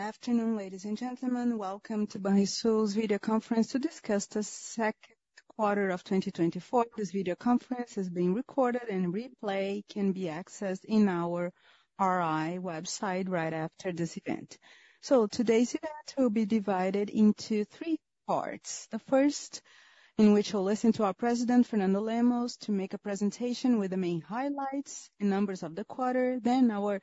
Good afternoon, ladies and gentlemen. Welcome to Banrisul's video conference to discuss the Q2 of 2024. This video conference is being recorded, and a replay can be accessed in our RI website right after this event. So today's event will be divided into three parts. The first, in which we'll listen to our President, Fernando Lemos, to make a presentation with the main highlights and numbers of the quarter. Then our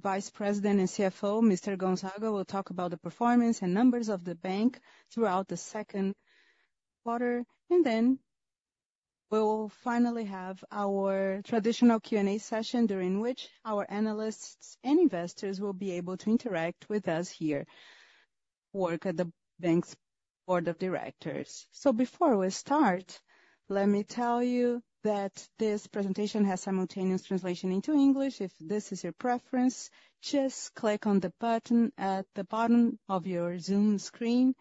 Vice President and CFO, Mr. Gonzaga, will talk about the performance and numbers of the bank throughout the Q2. And then we'll finally have our traditional Q&A session, during which our analysts and investors will be able to interact with us here, work at the bank's board of directors. So before we start, let me tell you that this presentation has simultaneous translation into English. If this is your preference, just click on the button at the bottom of your Zoom screen.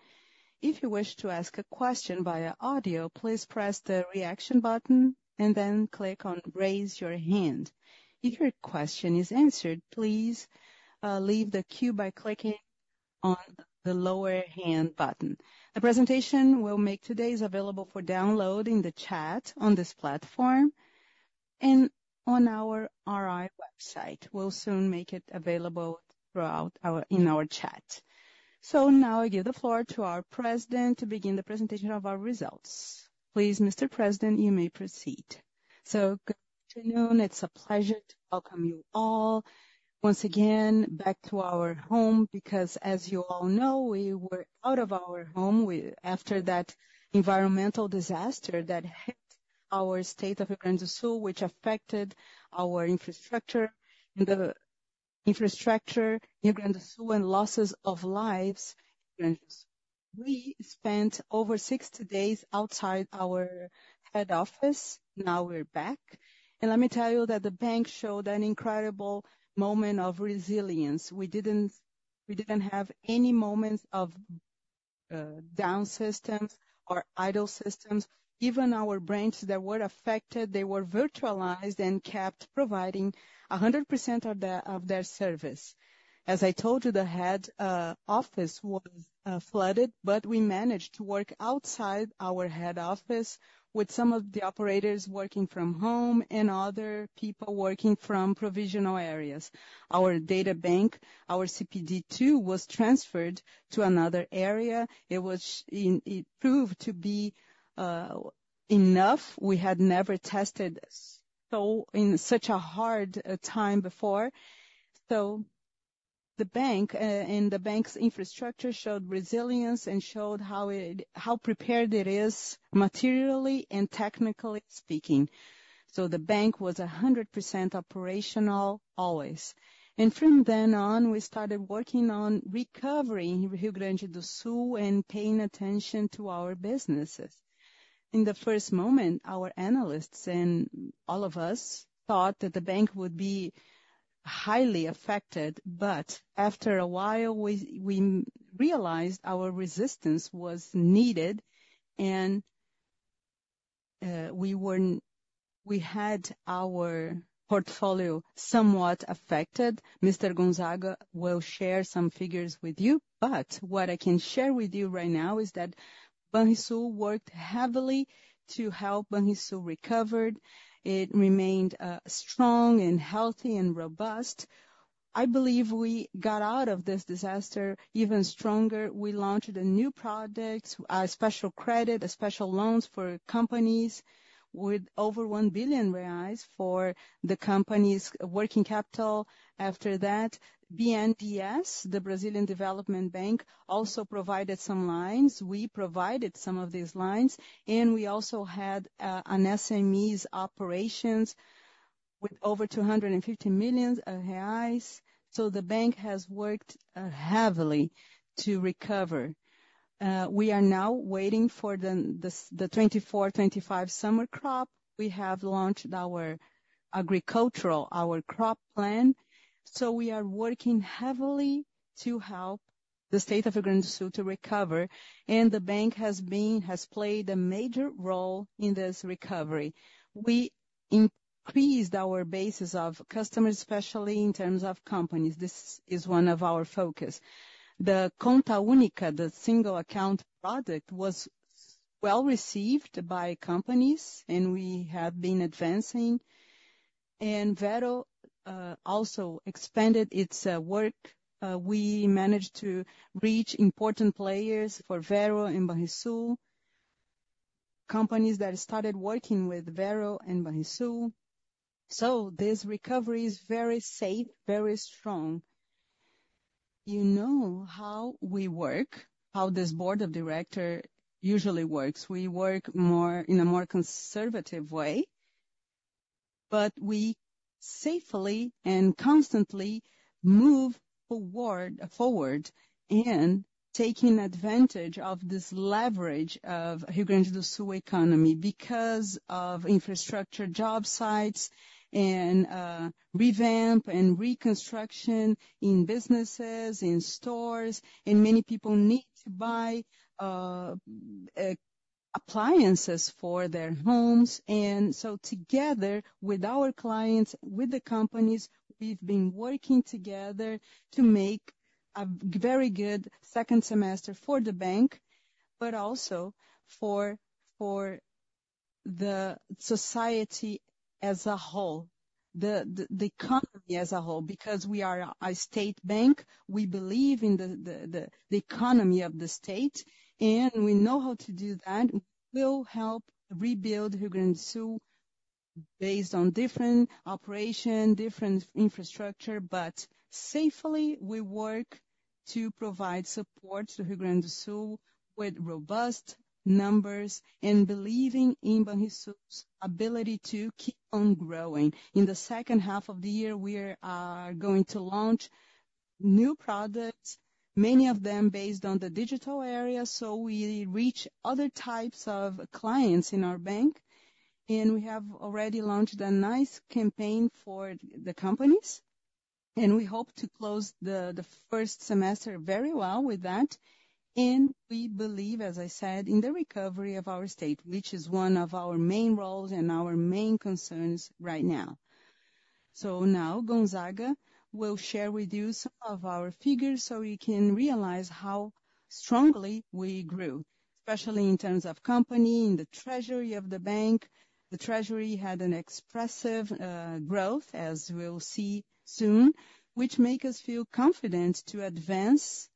If you wish to ask a question via audio, please press the reaction button and then click on raise your hand. If your question is answered, please leave the queue by clicking on the lower-hand button. The presentation we'll make today is available for download in the chat on this platform and on our RI website. We'll soon make it available in our chat. So now I give the floor to our president to begin the presentation of our results. Please, Mr. President, you may proceed. So good afternoon. It's a pleasure to welcome you all once again back to our home, because as you all know, we were out of our home after that environmental disaster that hit our state of Rio Grande do Sul, which affected our infrastructure, and the infrastructure in Rio Grande do Sul, and losses of lives. We spent over 60 days outside our head office. Now we're back. And let me tell you that the bank showed an incredible moment of resilience. We didn't, we didn't have any moments of down systems or idle systems. Even our branches that were affected, they were virtualized and kept providing 100% of their service. As I told you, the head office was flooded, but we managed to work outside our head office with some of the operators working from home and other people working from provisional areas. Our data bank, our CPD2, was transferred to another area. It proved to be enough. We had never tested in such a hard time before. So the bank and the bank's infrastructure showed resilience and showed how prepared it is, materially and technically speaking. So the bank was 100% operational, always. And from then on, we started working on recovering Rio Grande do Sul and paying attention to our businesses. In the first moment, our analysts and all of us thought that the bank would be highly affected, but after a while, we realized our resistance was needed, and we had our portfolio somewhat affected. Mr. Gonzaga will share some figures with you, but what I can share with you right now is that Banrisul worked heavily to help Banrisul recover. It remained strong, and healthy, and robust. I believe we got out of this disaster even stronger. We launched new products, special credit, special loans for companies with over 1 billion reais for the company's working capital. After that, BNDES, the Brazilian Development Bank, also provided some lines. We provided some of these lines, and we also had an SMEs operations with over 250 million reais. So the bank has worked heavily to recover. We are now waiting for the 2024, 2025 summer crop. We have launched our agricultural, our crop plan, so we are working heavily to help the state of Rio Grande do Sul to recover, and the bank has been, has played a major role in this recovery. We increased our bases of customers, especially in terms of companies. This is one of our focus. The Conta Única, the single account product, was well-received by companies, and we have been advancing. Vero also expanded its work. We managed to reach important players for Vero and Banrisul, companies that started working with Vero and Banrisul. So this recovery is very safe, very strong. You know how we work, how this board of directors usually works. We work more in a more conservative way, but we safely and constantly move forward in taking advantage of this leverage of Rio Grande do Sul economy because of infrastructure job sites and revamp and reconstruction in businesses, in stores, and many people need to buy appliances for their homes. And so together with our clients, with the companies, we've been working together to make a very good second semester for the bank, but also for, for the society as a whole, the economy as a whole. Because we are a state bank, we believe in the economy of the state, and we know how to do that. We will help rebuild Rio Grande do Sul, based on different operation, different infrastructure, but safely, we work to provide support to Rio Grande do Sul with robust numbers and believing in Banrisul's ability to keep on growing. In the H2 of the year, we are going to launch new products, many of them based on the digital area, so we reach other types of clients in our bank. We have already launched a nice campaign for the companies, and we hope to close the first semester very well with that. And we believe, as I said, in the recovery of our state, which is one of our main roles and our main concerns right now. So now Gonzaga will share with you some of our figures, so you can realize how strongly we grew, especially in terms of company, in the Treasury of the bank. The Treasury had an expressive growth, as we'll see soon, which make us feel confident to advance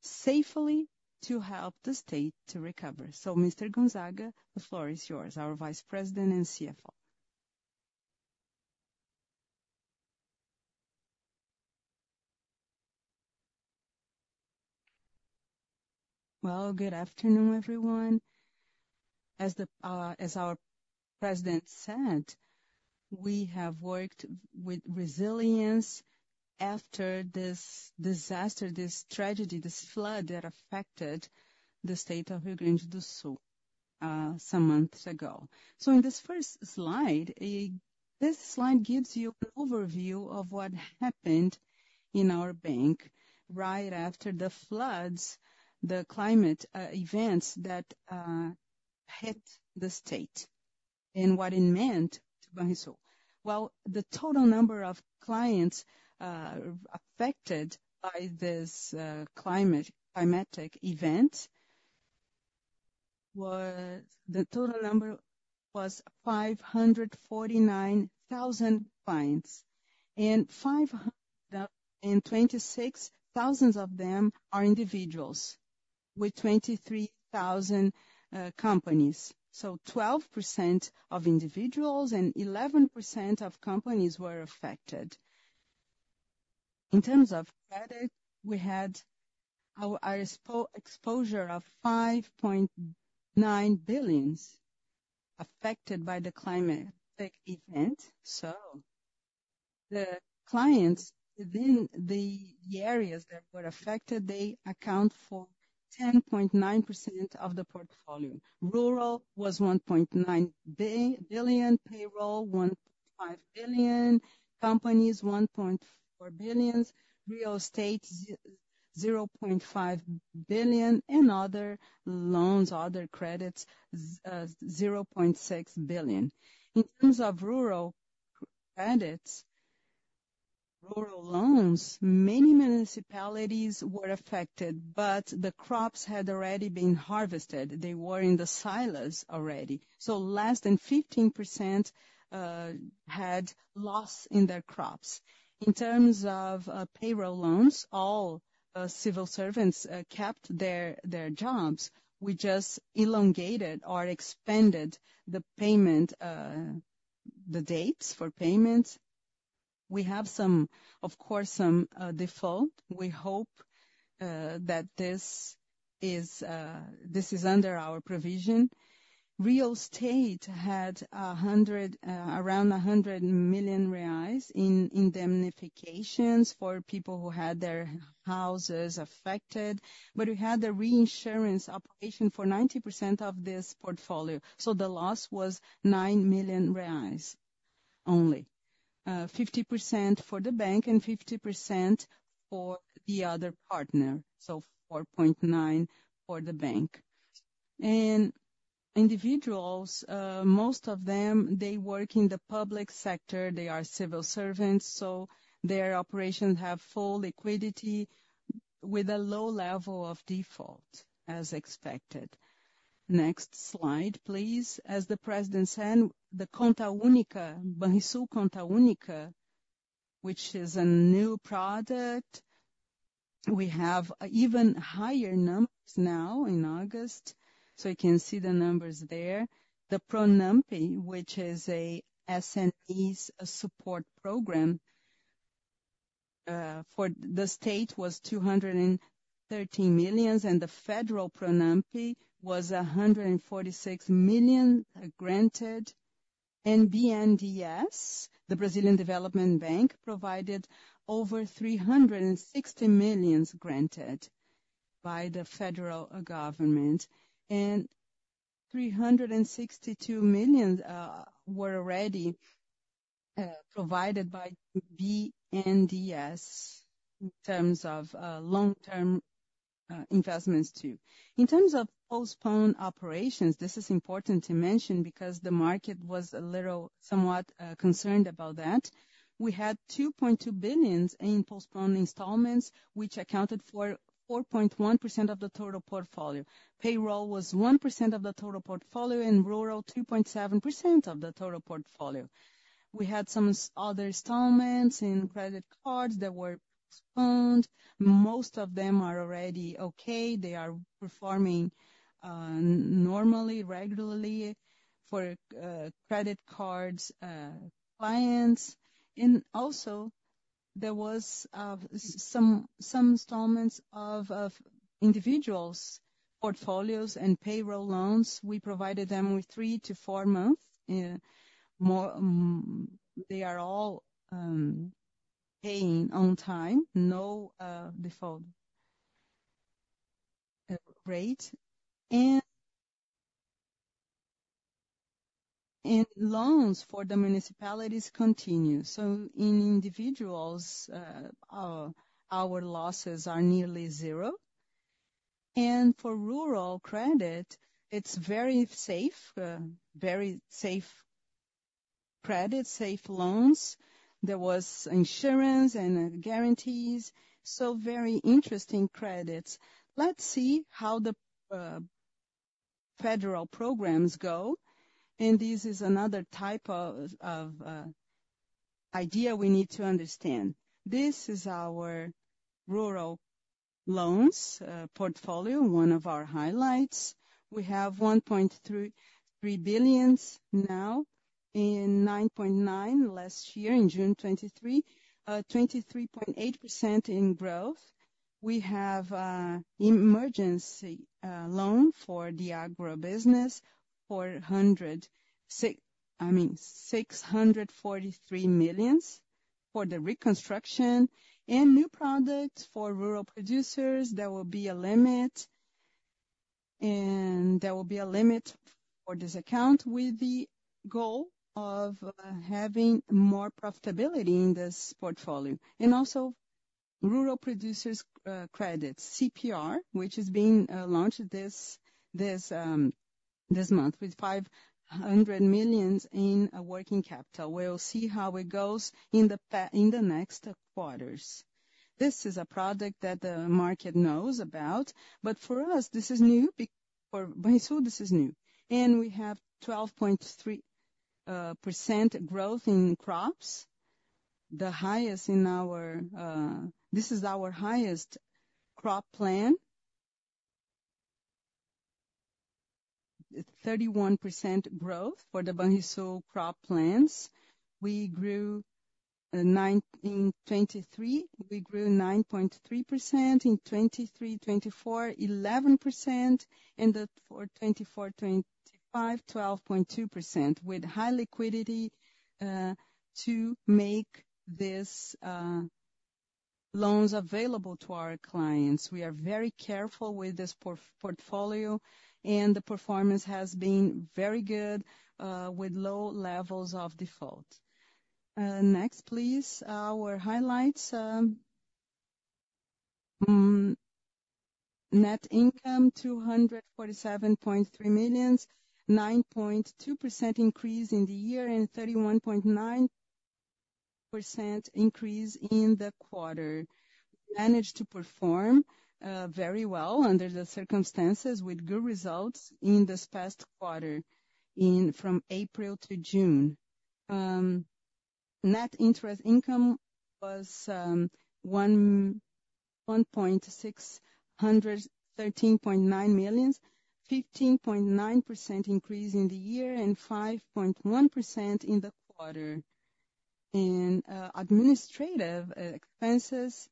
safely to help the state to recover. So, Mr. Gonzaga, the floor is yours, our Vice President and CFO. Well, good afternoon, everyone. As our president said, we have worked with resilience after this disaster, this tragedy, this flood that affected the state of Rio Grande do Sul some months ago. So in this first slide, this slide gives you an overview of what happened in our bank right after the floods, the climate events that hit the state and what it meant to Banrisul. Well, the total number of clients affected by this climate, climatic event was 549,000 clients, and 526,000 of them are individuals, with 23,000 companies. So 12% of individuals and 11% of companies were affected. In terms of credit, we had our exposure of 5.9 billion affected by the climatic event. So the clients within the areas that were affected, they account for 10.9% of the portfolio. Rural was 1.9 billion, payroll, 1.5 billion, companies, 1.4 billion, real estate, zero point five billion, and other loans, other credits, zero point six billion. In terms of rural credits, rural loans, many municipalities were affected, but the crops had already been harvested. They were in the silos already. So less than 15%, had loss in their crops. In terms of payroll loans, all civil servants kept their jobs. We just elongated or expanded the payment, the dates for payments. We have some, of course, some default. We hope that this is under our provision. Real estate had 100, around 100 million reais in indemnifications for people who had their houses affected, but we had a reinsurance operation for 90% of this portfolio. So the loss was 9 million reais only. 50% for the bank and 50% for the other partner, so 4.9% for the bank. And individuals, most of them, they work in the public sector. They are civil servants, so their operations have full liquidity with a low level of default, as expected. Next slide, please. As the President said, the Conta Única, Banrisul Conta Única, which is a new product, we have even higher numbers now in August, so you can see the numbers there. The PRONAMP, which is a SMEs support program, for the state, was 213 million, and the federal PRONAMP was 146 million granted. BNDES, the Brazilian Development Bank, provided over 360 million granted by the federal government, and 362 million were already provided by BNDES in terms of long-term investments too. In terms of postponed operations, this is important to mention because the market was a little, somewhat concerned about that. We had 2.2 billion in postponed installments, which accounted for 4.1% of the total portfolio. Payroll was 1% of the total portfolio, and rural, 2.7% of the total portfolio. We had some other installments in credit cards that were postponed. Most of them are already okay. They are performing normally, regularly for credit cards clients. Also, there was some installments of individuals' portfolios and payroll loans. We provided them with three to four months more. They are all paying on time, no default rate, and loans for the municipalities continue. So in individuals, our losses are nearly zero. For rural credit, it's very safe, very safe credit, safe loans. There was insurance and guarantees, so very interesting credits. Let's see how the federal programs go, and this is another type of idea we need to understand. This is our rural loans portfolio, one of our highlights. We have 1.33 billion now, and 9.9 billion last year, in June 2023. 23.8% growth. We have emergency loan for the Agro business, 406 million—I mean, 643 million for the reconstruction and new products for rural producers. There will be a limit, and there will be a limit for this account, with the goal of having more profitability in this portfolio. And also rural producers credits, CPR, which is being launched this month, with 500 million in working capital. We'll see how it goes in the next quarters. This is a product that the market knows about, but for us, this is new, for Banrisul, this is new. And we have 12.3% growth in crops, the highest in our. This is our highest crop plan. 31% growth for the Banrisul crop plans. We grew nine in 2023, we grew 9.3% in 2023-2024, 11%, and then for 2024-2025, 12.2%, with high liquidity to make these loans available to our clients. We are very careful with this portfolio, and the performance has been very good with low levels of default. Next, please. Our highlights, net income, 247.3 million, 9.2% increase in the year, and 31.9% increase in the quarter. Managed to perform very well under the circumstances, with good results in this past quarter, from April to June. Net interest income was 1,613.9 million, 15.9% increase in the year and 5.1% in the quarter. In administrative expenses,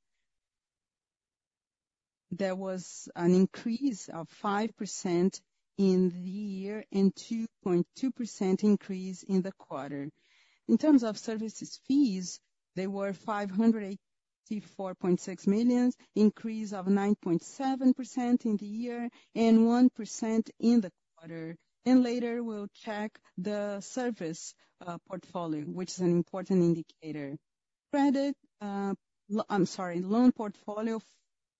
there was an increase of 5% in the year and 2.2% increase in the quarter. In terms of services fees, they were 584.6 million, increase of 9.7% in the year and 1% in the quarter. And later, we'll check the service portfolio, which is an important indicator. Credit, I'm sorry, loan portfolio,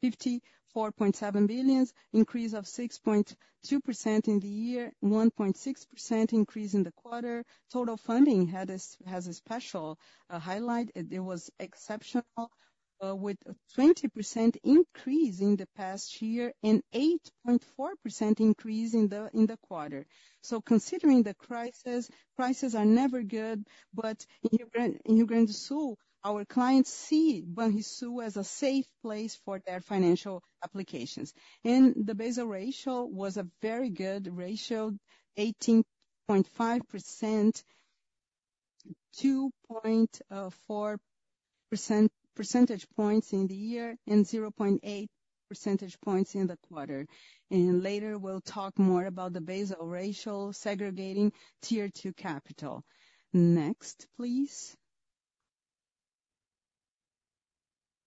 54.7 billion, increase of 6.2% in the year, 1.6% increase in the quarter. Total funding has a special highlight. It was exceptional with a 20% increase in the past year and 8.4% increase in the quarter. So considering the crisis, prices are never good, but in Rio Grande do Sul, our clients see Banrisul as a safe place for their financial applications. The Basel ratio was a very good ratio, 18.5%, 2.4 percentage points in the year and 0.8 percentage points in the quarter. Later, we'll talk more about the Basel ratio, segregating Tier 2 capital. Next, please.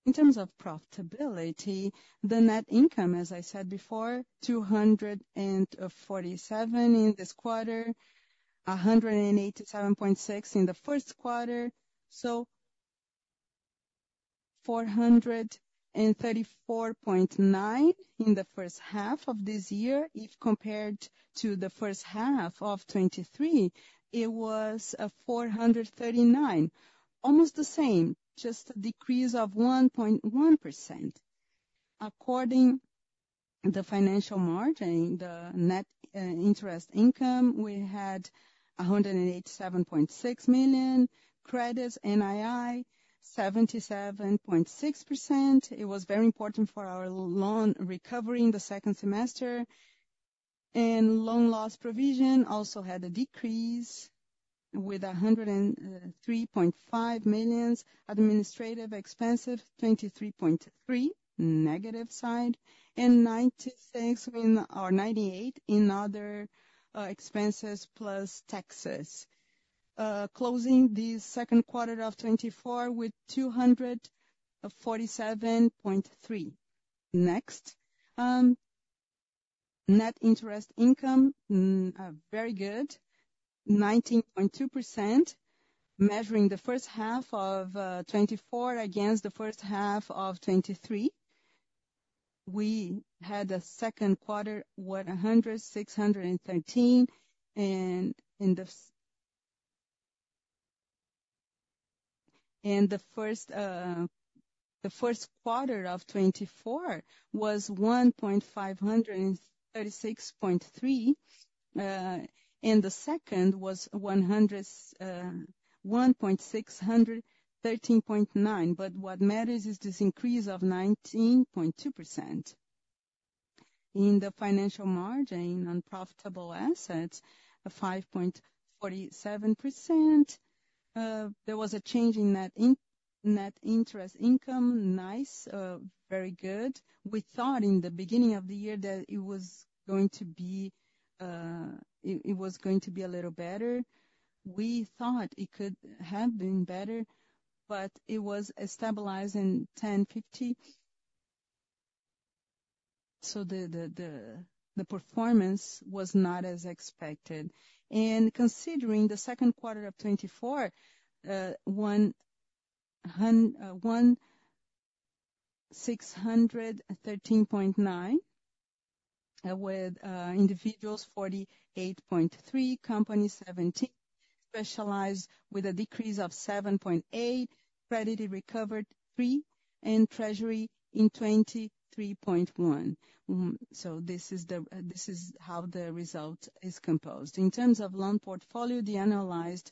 In terms of profitability, the net income, as I said before, 247 million in this quarter, 187.6 million in the Q1. So BRL 434.9 million in the H1 of this year, if compared to the H1 of 2023, it was 439 million. Almost the same, just a decrease of 1.1%. According to the financial margin, the net interest income, we had 187.6 million credits, NII, 77.6%. It was very important for our loan recovery in the second semester. Loan loss provision also had a decrease with 103.5 million. Administrative expenses, 23.3 million, negative side, and 96 million or 98 million in other expenses plus taxes. Closing the Q2 of 2024 with BRL 247.3 million. Next, net interest income, very good, 19.2%. Measuring the H1 of 2024 against the H1 of 2023, we had a Q2 1,613, and the Q1 of 2024 was 1,536.3, and the second was 1,613.9 million. But what matters is this increase of 19.2%. In the financial margin on profitable assets, a 5.47%. There was a change in net interest income. Nice, very good. We thought in the beginning of the year that it was going to be a little better. We thought it could have been better, but it was stabilized in 1,050 million. So the performance was not as expected. Considering the Q2 of 2024, BRL 1,613.9 million, with individuals 48.3%, companies 17%, specialized with a decrease of 7.8%, credit recovered 3%, and Treasury in 23.1%. So this is how the result is composed. In terms of loan portfolio, the annualized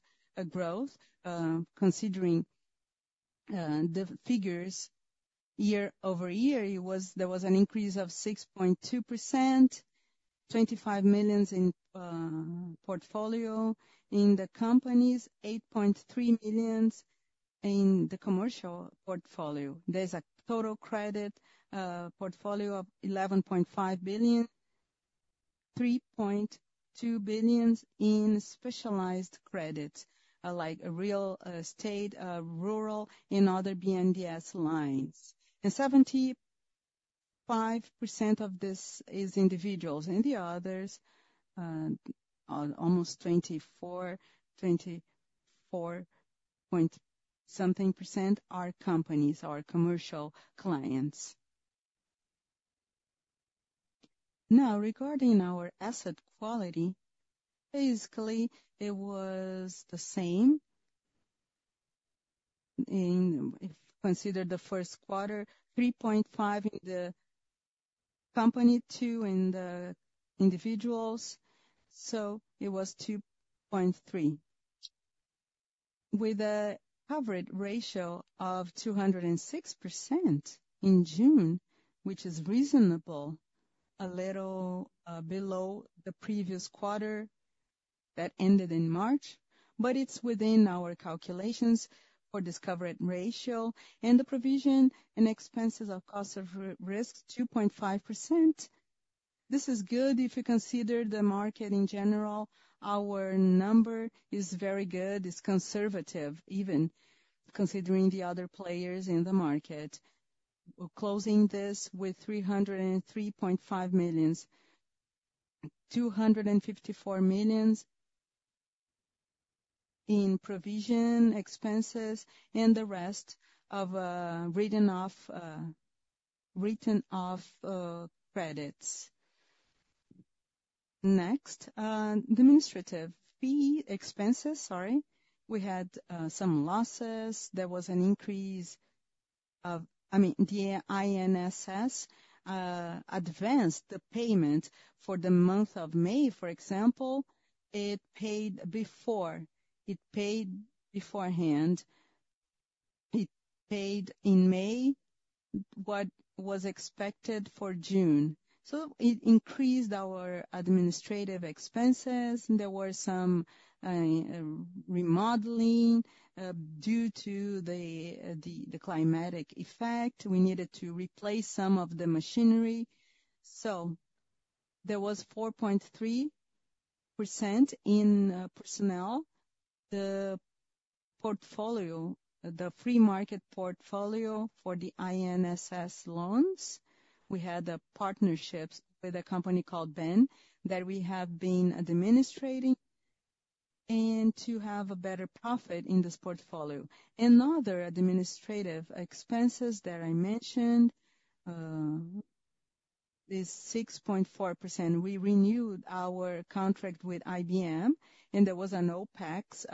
growth considering the figures year-over-year, there was an increase of 6.2%, 25 million in portfolio. In the companies, 8.3 million. In the commercial portfolio, there's a total credit portfolio of 11.5 billion, 3.2 billion in specialized credit, like real estate, rural, and other BNDES lines. 75% of this is individuals, and the others are almost 24, 24.-% something percent, are companies or commercial clients. Now, regarding our asset quality, basically, it was the same in if you consider the Q1, 3.5% in the company, 2% in the individuals, so it was 2.3%, with a coverage ratio of 206% in June, which is reasonable, a little below the previous quarter that ended in March, but it's within our calculations for this coverage ratio. And the provision and expenses of cost of risk, 2.5%. This is good. If you consider the market in general, our number is very good. It's conservative, even considering the other players in the market. We're closing this with 303.5 million, 254 million in provision expenses, and the rest of written off credits. Next, the administrative expenses, sorry. We had some losses. There was an increase of- I mean, the INSS advanced the payment for the month of May, for example. It paid before, it paid beforehand. It paid in May what was expected for June, so it increased our administrative expenses. There were some remodeling due to the climatic effect. We needed to replace some of the machinery. So there was 4.3% in personnel. The portfolio, the free market portfolio for the INSS loans, we had a partnership with a company called Bem, that we have been administrating, and to have a better profit in this portfolio. Another administrative expenses that I mentioned is 6.4%. We renewed our contract with IBM, and there was an OpEx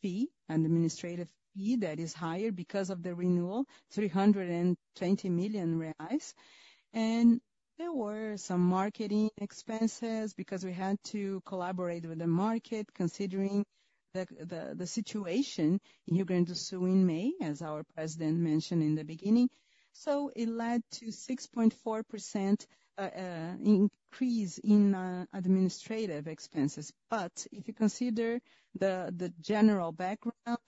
fee, an administrative fee that is higher because of the renewal, 320 million reais. And there were some marketing expenses because we had to collaborate with the market, considering the situation in Rio Grande do Sul in May, as our president mentioned in the beginning. So it led to 6.4% increase in administrative expenses. But if you consider the general background,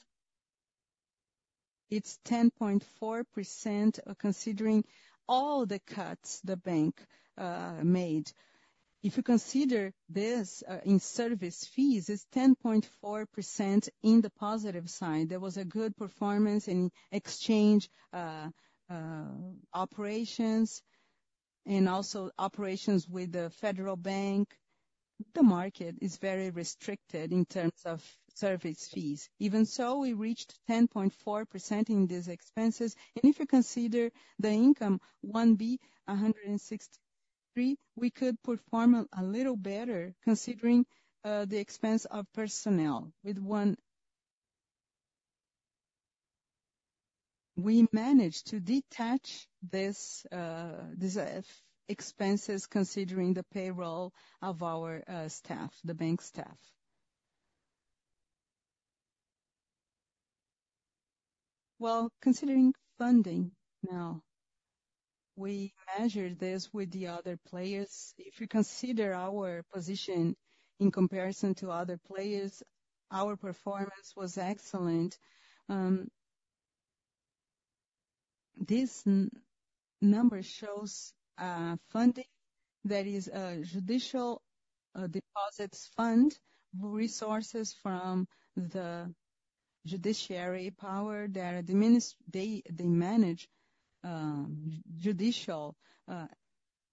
it's 10.4%, considering all the cuts the bank made. If you consider this in service fees, it's 10.4% in the positive sign. There was a good performance in exchange operations and also operations with the federal bank. The market is very restricted in terms of service fees. Even so, we reached 10.4% in these expenses, and if you consider the income, 1.163 billion, we could perform a little better, considering the expense of personnel. We managed to detach these expenses, considering the payroll of our staff, the bank staff. Well, considering funding now. We measured this with the other players. If you consider our position in comparison to other players, our performance was excellent. This number shows funding that is judicial deposits fund, resources from the judiciary power. They manage judicial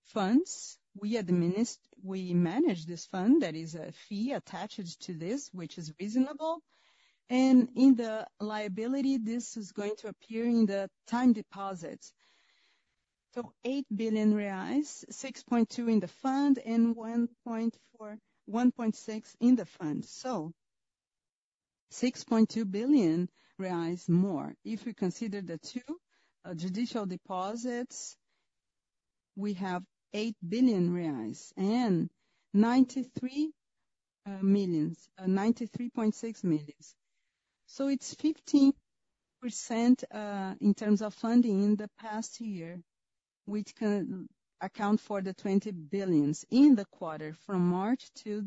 funds. We manage this fund, there is a fee attached to this, which is reasonable. And in the liability, this is going to appear in the time deposits. 8 billion reais, 6.2 billion in the fund, and 1.6 billion in the fund. So, 6.2 billion reais more. If you consider the two judicial deposits, we have BRL 8 billion and 93.6 million. So it's 15% in terms of funding in the past year, which can account for the 20 billion in the quarter, from March to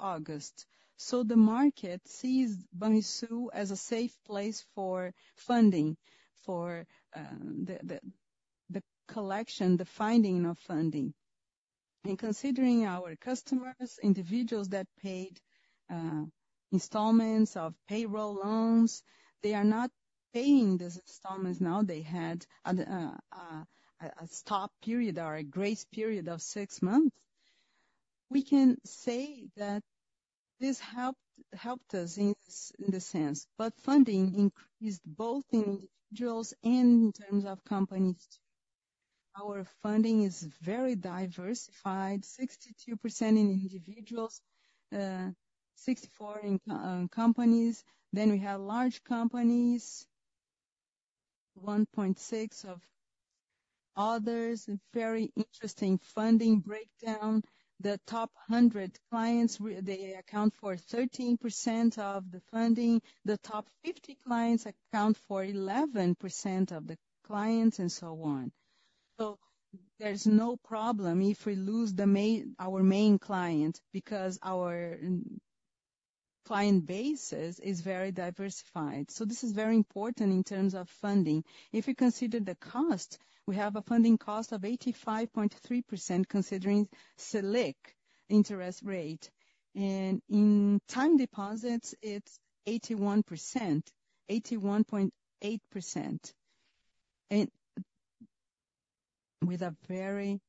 August. So the market sees Banrisul as a safe place for funding, for the collection, the finding of funding. And considering our customers, individuals that paid installments of payroll loans, they are not paying those installments now. They had a stop period or a grace period of six months. We can say that this helped us in this, in this sense, but funding increased both in individuals and in terms of companies too. Our funding is very diversified, 62% in individuals, 64% in companies. Then we have large companies, 1.6% of others, a very interesting funding breakdown. The top 100 clients, they account for 13% of the funding. The top 50 clients account for 11% of the clients, and so on. So there's no problem if we lose our main client, because our client base is very diversified. So this is very important in terms of funding. If you consider the cost, we have a funding cost of 85.3%, considering Selic interest rate, and in time deposits, it's 81%, 81.8%. And with a very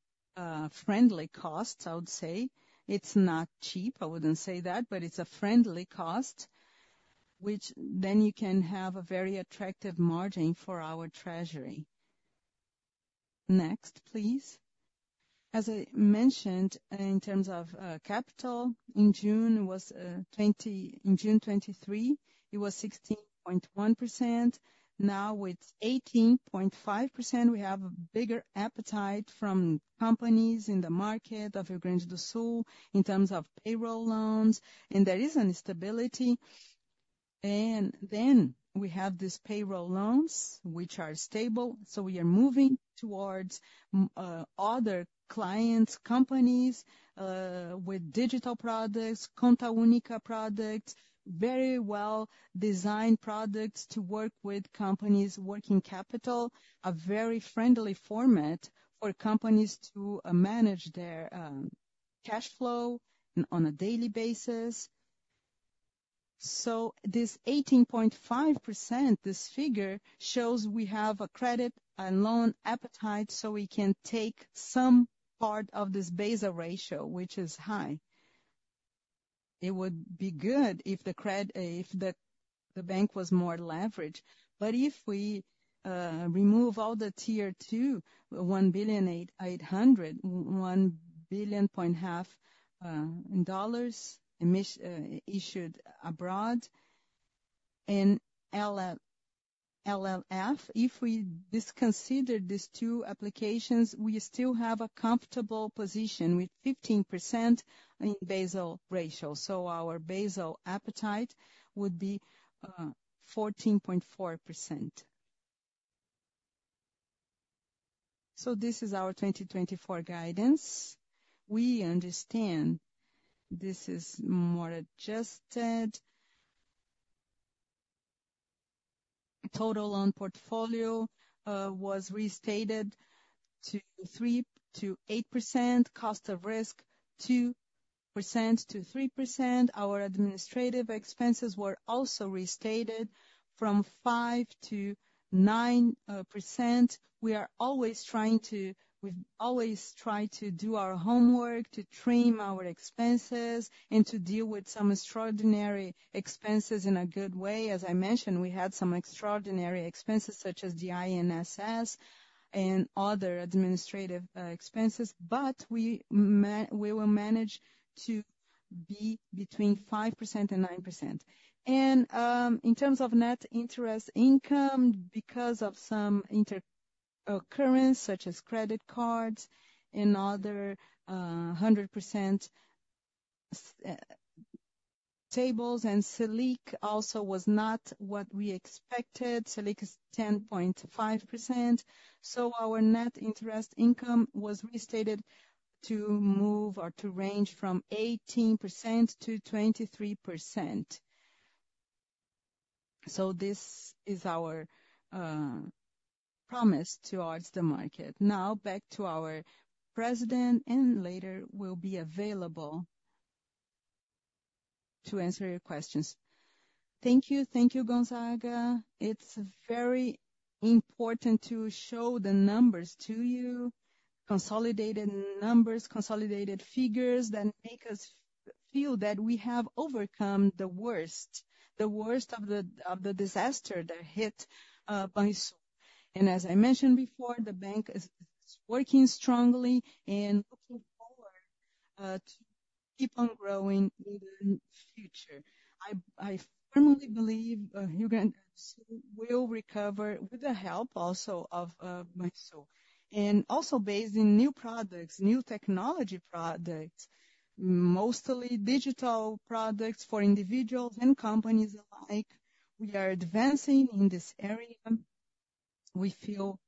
friendly cost, I would say. It's not cheap, I wouldn't say that, but it's a friendly cost, which then you can have a very attractive margin for our Treasury. Next, please. As I mentioned, in terms of capital, in June 2023, it was 16.1%. Now it's 18.5%. We have a bigger appetite from companies in the market of Rio Grande do Sul, in terms of payroll loans, and there is a stability. Then we have these payroll loans, which are stable, so we are moving towards other clients, companies, with digital products, Conta Única products, very well-designed products to work with companies' working capital, a very friendly format for companies to manage their cash flow on a daily basis. So this 18.5%, this figure, shows we have a credit and loan appetite, so we can take some part of this Basel ratio, which is high. It would be good if the bank was more leveraged. But if we remove all the Tier 2, $1.8 billion, $1.5 billion in dollars issued abroad, and LF, if we disconsider these two applications, we still have a comfortable position with 15% in Basel ratio. So our Basel appetite would be 14.4%. So this is our 2024 guidance. We understand this is more adjusted. Total loan portfolio was restated to 3%-8%, cost of risk 2%-3%. Our administrative expenses were also restated from 5%-9%. We've always tried to do our homework, to trim our expenses, and to deal with some extraordinary expenses in a good way. As I mentioned, we had some extraordinary expenses, such as the INSS and other administrative expenses, but we will manage to be between 5% and 9%. And in terms of net interest income, because of some internal occurrence, such as credit cards and other 100% tables, and Selic also was not what we expected. Selic is 10.5%, so our net interest income was restated to move or to range from 18% to 23%. So this is our promise towards the market. Now, back to our president, and later we'll be available to answer your questions. Thank you. Thank you, Gonzaga. It's very important to show the numbers to you, consolidated numbers, consolidated figures, that make us feel that we have overcome the worst, the worst of the disaster that hit Banrisul. And as I mentioned before, the bank is working strongly and looking forward to keep on growing in the future. I firmly believe Rio Grande do Sul will recover with the help also of the state. And also based in new products, new technology products, mostly digital products for individuals and companies alike. We are advancing in this area. We feel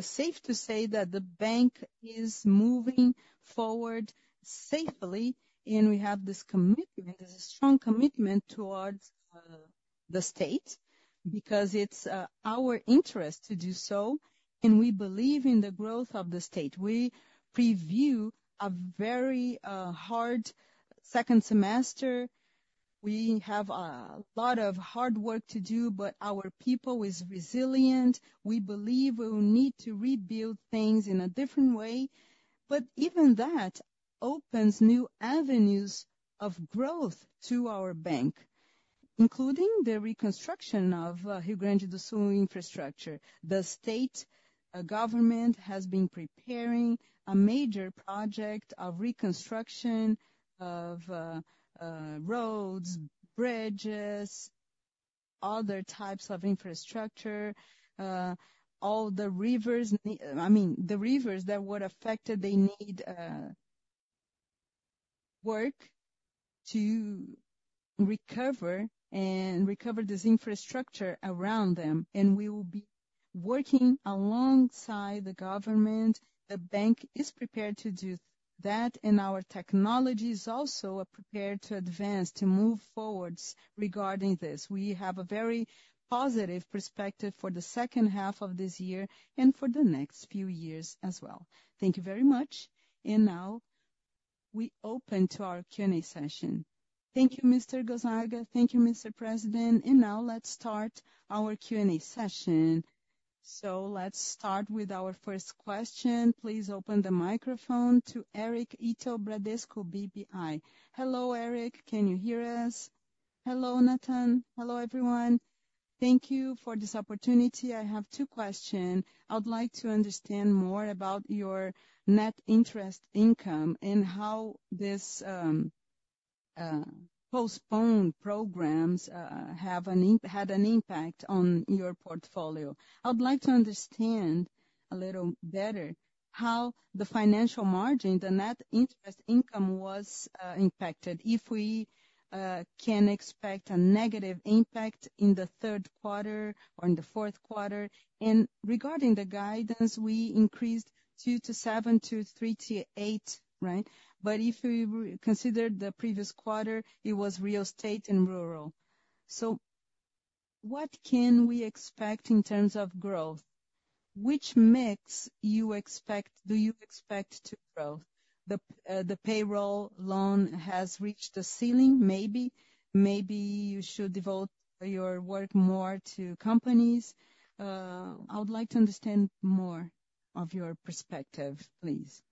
safe to say that the bank is moving forward safely, and we have this commitment, this strong commitment towards the state, because it's our interest to do so, and we believe in the growth of the state. We preview a very hard second semester. We have a lot of hard work to do, but our people is resilient. We believe we will need to rebuild things in a different way, but even that opens new avenues of growth to our bank, including the reconstruction of Rio Grande do Sul infrastructure. The state government has been preparing a major project of reconstruction of roads, bridges, other types of infrastructure, all the rivers that were affected, they need work to recover and recover this infrastructure around them, and we will be working alongside the government. The bank is prepared to do that, and our technologies also are prepared to advance, to move forwards regarding this. We have a very positive perspective for the H2 of this year and for the next few years as well. Thank you very much. And now, we open to our Q&A session. Thank you, Mr. Gonzaga. Thank you, Mr. President. And now let's start our Q&A session. So let's start with our first question. Please open the microphone to Eric Ito, Bradesco BBI. Hello, Eric, can you hear us? Hello, Nathan. Hello, everyone. Thank you for this opportunity. I have two questions. I would like to understand more about your net interest income and how these postponed programs had an impact on your portfolio. I would like to understand a little better how the financial margin, the net interest income, was impacted, if we can expect a negative impact in the Q3 or in the Q4. Regarding the guidance, we increased 2%-7% to 3%-8%, right? But if we consider the previous quarter, it was real estate and rural. What can we expect in terms of growth? Which mix you expect, do you expect to grow? The payroll loan has reached a ceiling, maybe. Maybe you should devote your work more to companies. I would like to understand more of your perspective, please.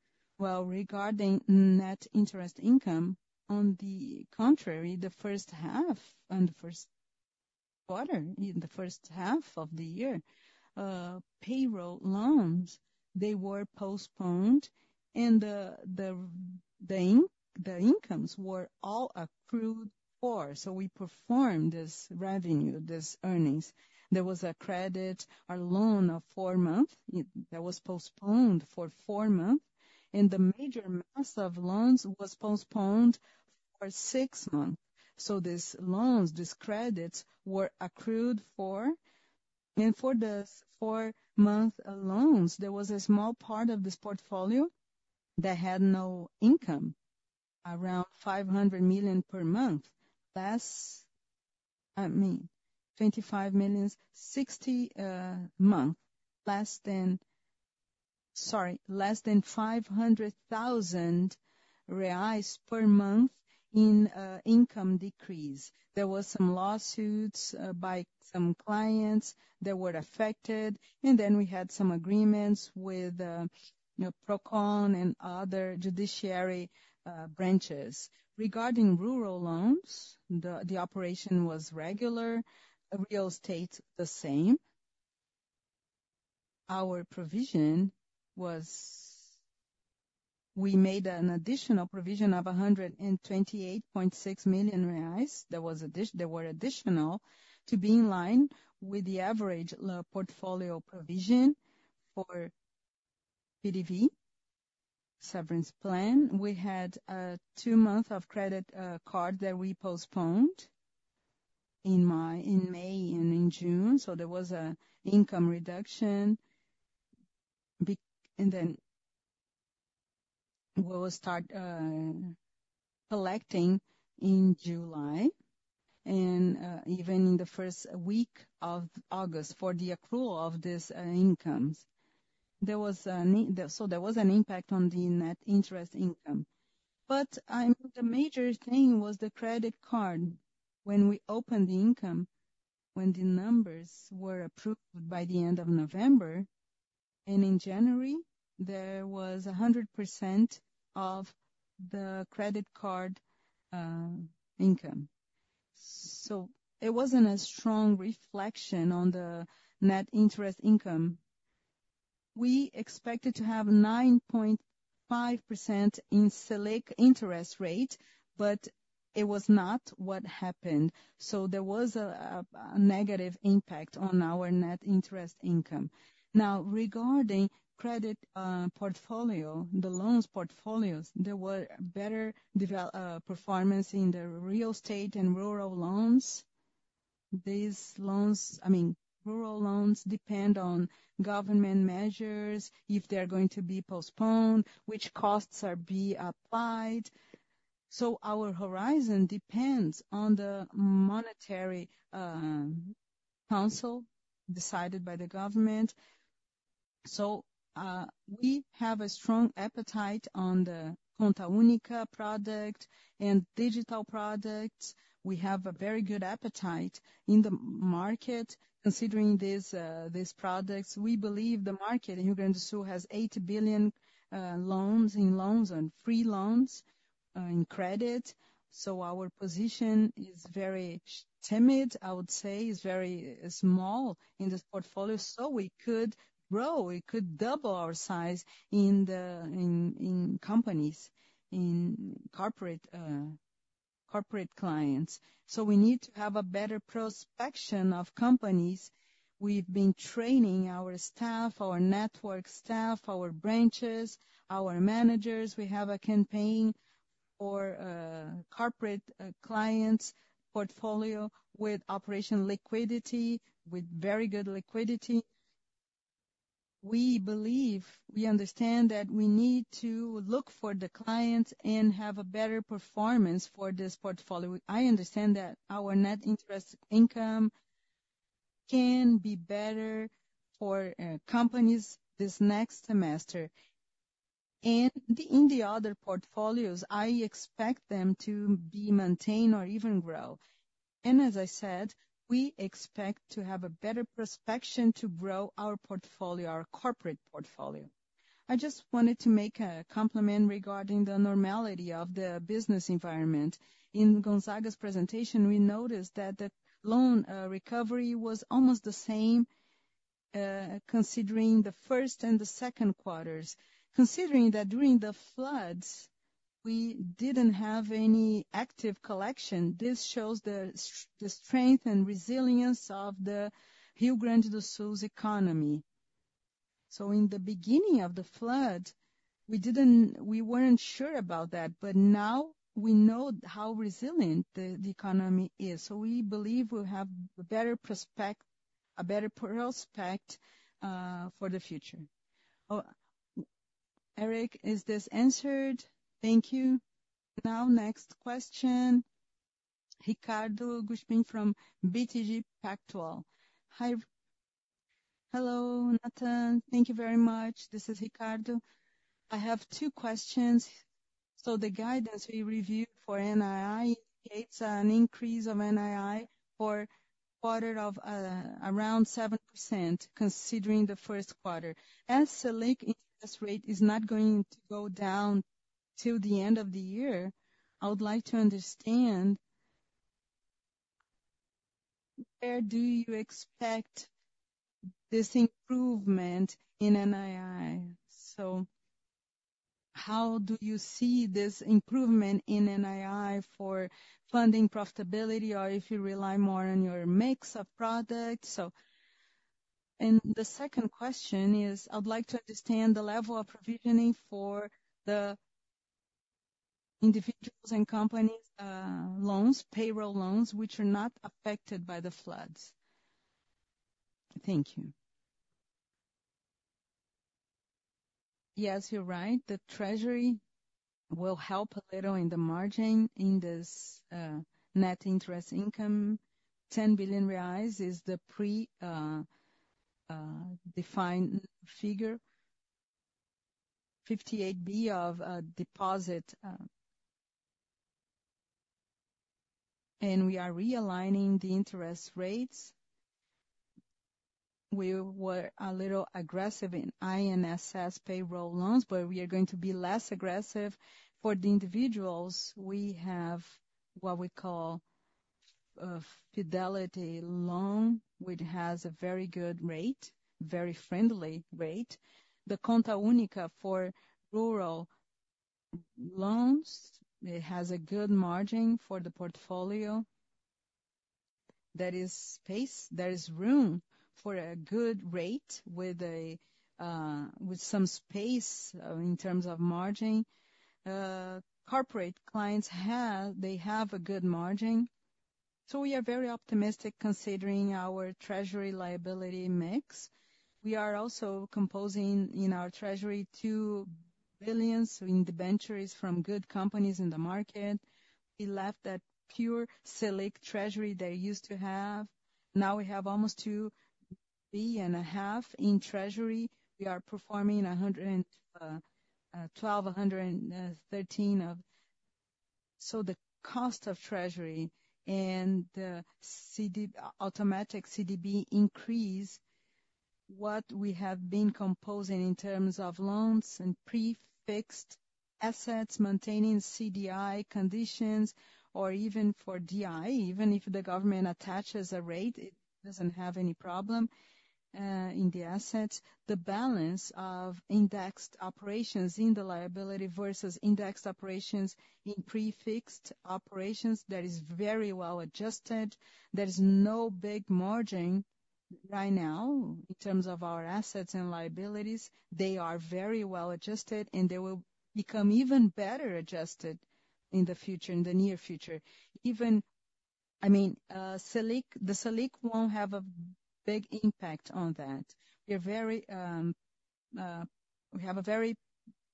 Well, regarding net interest income, on the contrary, the H1 and the Q1, in the H1 of the year, payroll loans, they were postponed and, the incomes were all accrued for. So we performed this revenue, these earnings. There was a credit, a loan of four months, that was postponed for four months, and the major mass of loans was postponed for six months. So these loans, these credits, were accrued for. And for the four month loans, there was a small part of this portfolio that had no income, around 500 million per month. That's, I mean, 25 millions, 60 month, less than, sorry, less than 500,000 reais per month in, income decrease. There were some lawsuits by some clients that were affected, and then we had some agreements with, you know, Procon and other judiciary branches. Regarding rural loans, the operation was regular, real estate, the same. Our provision was - we made an additional provision of 128.6 million reais. That was additional, they were additional, to be in line with the average portfolio provision for PDV severance plan. We had two months of credit card that we postponed in May and in June, so there was an income reduction. And then we will start collecting in July and even in the first week of August for the accrual of these incomes. There was an impact on the net interest income. The major thing was the credit card. When we opened the income, when the numbers were approved by the end of November, and in January, there was 100% of the credit card income. So it wasn't a strong reflection on the net interest income. We expected to have 9.5% in Selic interest rate, but it was not what happened. So there was a negative impact on our net interest income. Now, regarding credit portfolio, the loans portfolios there were better performance in the real estate and rural loans. These loans, I mean, rural loans depend on government measures if they are going to be postponed, which costs are be applied? So our horizon depends on the monetary council decided by the government. So, we have a strong appetite on the Conta Única product and digital products. We have a very good appetite in the market, considering these, these products. We believe the market in Rio Grande do Sul has 80 billion loans, in loans on free loans, in credit, so our position is very timid, I would say, is very small in this portfolio. So we could grow, we could double our size in the, in, in companies, in corporate, corporate clients. So we need to have a better prospection of companies. We've been training our staff, our network staff, our branches, our managers. We have a campaign for, corporate, clients portfolio with operation liquidity, with very good liquidity. We believe, we understand that we need to look for the clients and have a better performance for this portfolio. I understand that our net interest income can be better for companies this next semester. In the other portfolios, I expect them to be maintained or even grow. As I said, we expect to have a better prospection to grow our portfolio, our corporate portfolio. I just wanted to make a compliment regarding the normality of the business environment. In Gonzaga's presentation, we noticed that the loan recovery was almost the same, considering the first and the Q2. Considering that during the floods, we didn't have any active collection, this shows the strength and resilience of the Rio Grande do Sul's economy. In the beginning of the flood, we didn't, we weren't sure about that, but now we know how resilient the economy is, so we believe we'll have a better prospect for the future. Eric, is this answered? Thank you. Now, next question, Ricardo Buchpiguel from BTG Pactual. Hi. Hello, Nathan. Thank you very much. This is Ricardo. I have two questions. So the guidance we reviewed for NII creates an increase of NII for quarter of around 7%, considering the Q1. As Selic interest rate is not going to go down till the end of the year, I would like to understand where do you expect this improvement in NII? So, how do you see this improvement in NII for funding profitability, or if you rely more on your mix of products? So, and the second question is, I'd like to understand the level of provisioning for the individuals and companies' loans, payroll loans, which are not affected by the floods. Thank you. Yes, you're right. The Treasury will help a little in the margin in this net interest income. 10 billion reais is the pre-defined figure, 58 billion of deposit. And we are realigning the interest rates. We were a little aggressive in INSS payroll loans, but we are going to be less aggressive. For the individuals, we have what we call fidelity loan, which has a very good rate, very friendly rate. The Conta Única for rural loans, it has a good margin for the portfolio. There is space, there is room for a good rate with a with some space in terms of margin. Corporate clients have, they have a good margin. So we are very optimistic considering our Treasury liability mix. We are also composing in our Treasury, 2 billion in debentures from good companies in the market. We left that pure Selic Treasury they used to have. Now we have almost 2.5 billion in Treasury. We are performing 112, 113—so the cost of Treasury and the CD, automatic CDB increase, what we have been composing in terms of loans and pre-fixed assets, maintaining CDI conditions, or even for DI, even if the government attaches a rate, it doesn't have any problem in the assets. The balance of indexed operations in the liability versus indexed operations in pre-fixed operations, that is very well adjusted. There is no big margin right now in terms of our assets and liabilities. They are very well adjusted, and they will become even better adjusted in the future, in the near future. Even, I mean, Selic, the Selic won't have a big impact on that. We're very, we have a very,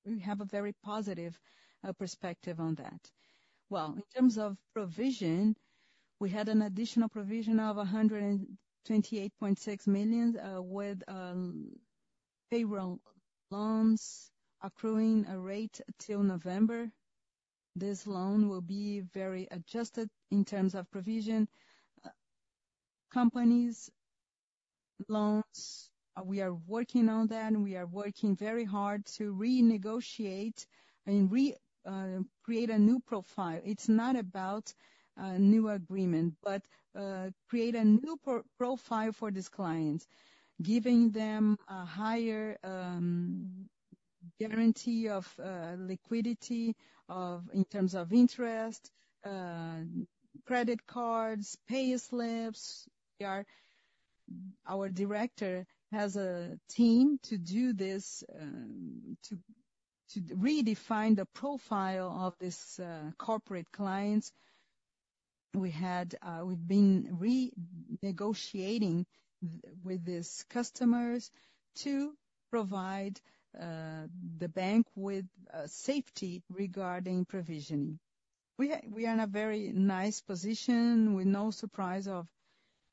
we have a very positive perspective on that. Well, in terms of provision, we had an additional provision of 128.6 million with payroll loans accruing a rate till November. This loan will be very adjusted in terms of provision. Companies' loans, we are working on that, and we are working very hard to renegotiate and recreate a new profile. It's not about new agreement, but create a new profile for these clients, giving them a higher guarantee of liquidity, of, in terms of interest, credit cards, payslips. Our, our director has a team to do this, to, to redefine the profile of these corporate clients. We had, we've been renegotiating with these customers to provide the bank with safety regarding provisioning. We are in a very nice position, with no surprise of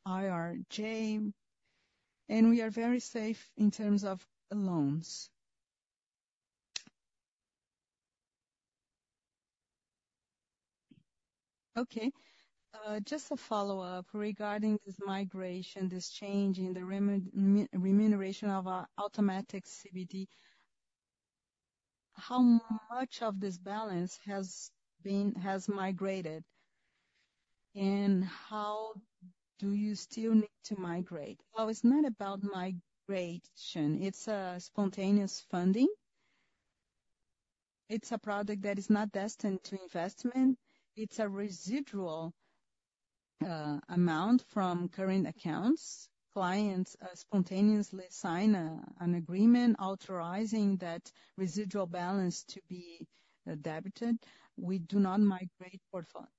IRJ, and we are very safe in terms of loans. Okay, just a follow-up regarding this migration, this change in the remuneration of our automatic CBD, how much of this balance has been migrated, and how do you still need to migrate? Oh, it's not about migration, it's a spontaneous funding. It's a product that is not destined to investment. It's a residual amount from current accounts. Clients spontaneously sign an agreement authorizing that residual balance to be debited. We do not migrate.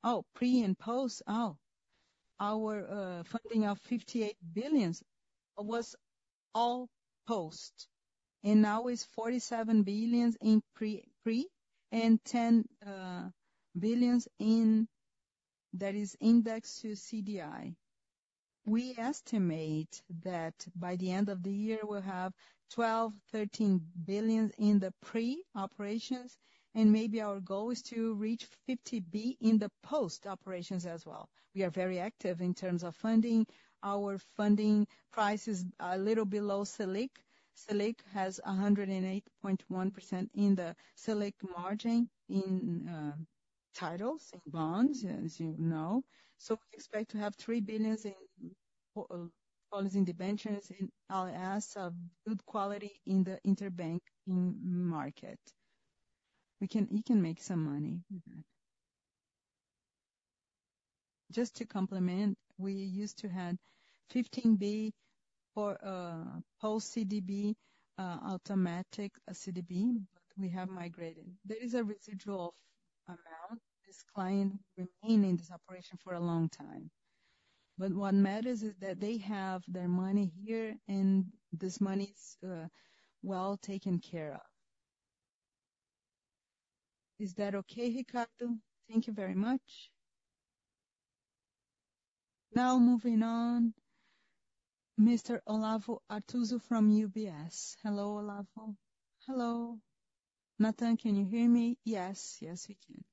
Oh, pre and post? Oh! Our funding of 58 billion was all post, and now is 47 billion in pre-pre, and 10 billion in that is indexed to CDI. We estimate that by the end of the year, we'll have 12 billion-BRL13 billion in the pre-operations, and maybe our goal is to reach 50 billion in the post-operations as well. We are very active in terms of funding. Our funding prices are a little below Selic. Selic has 108.1% in the Selic margin in titles in bonds, as you know. So we expect to have 3 billion in policies and debentures, and LFTs of good quality in the interbank market. We you can make some money with that. Just to complement, we used to have 15 billion for post CDB automatic CDB, but we have migrated. There is a residual of amount. This client remain in this operation for a long time. But what matters is that they have their money here, and this money is, well, taken care of. Is that okay, Ricardo? Thank you very much. Now, moving on, Mr. Olavo Arthuzo from UBS. Hello, Olavo. Hello. Nathan, can you hear me? Yes, yes, we can.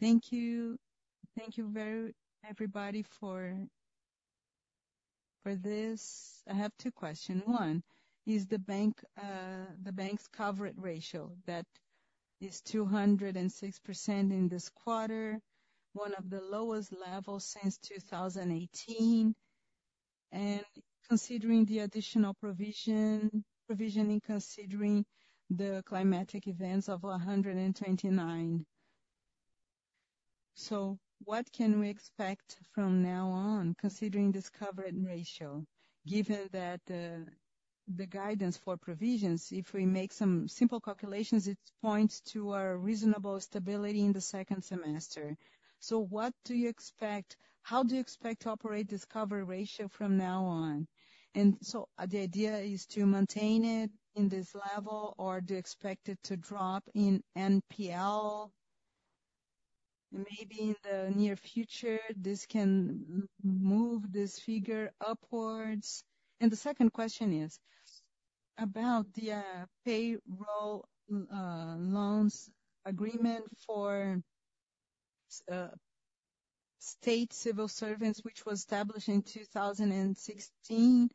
Thank you. Thank you very much, everybody, for this. I have two question. One, is the bank's coverage ratio that is 206% in this quarter, one of the lowest levels since 2018, and considering the additional provisioning, considering the climatic events of 129. So what can we expect from now on, considering this coverage ratio, given that the guidance for provisions, if we make some simple calculations, it points to a reasonable stability in the second semester. So what do you expect? How do you expect to operate this coverage ratio from now on? And so, the idea is to maintain it in this level, or do you expect it to drop in NPL? Maybe in the near future, this can move this figure upwards. And the second question is about the payroll, loans agreement for state civil servants, which was established in 2016.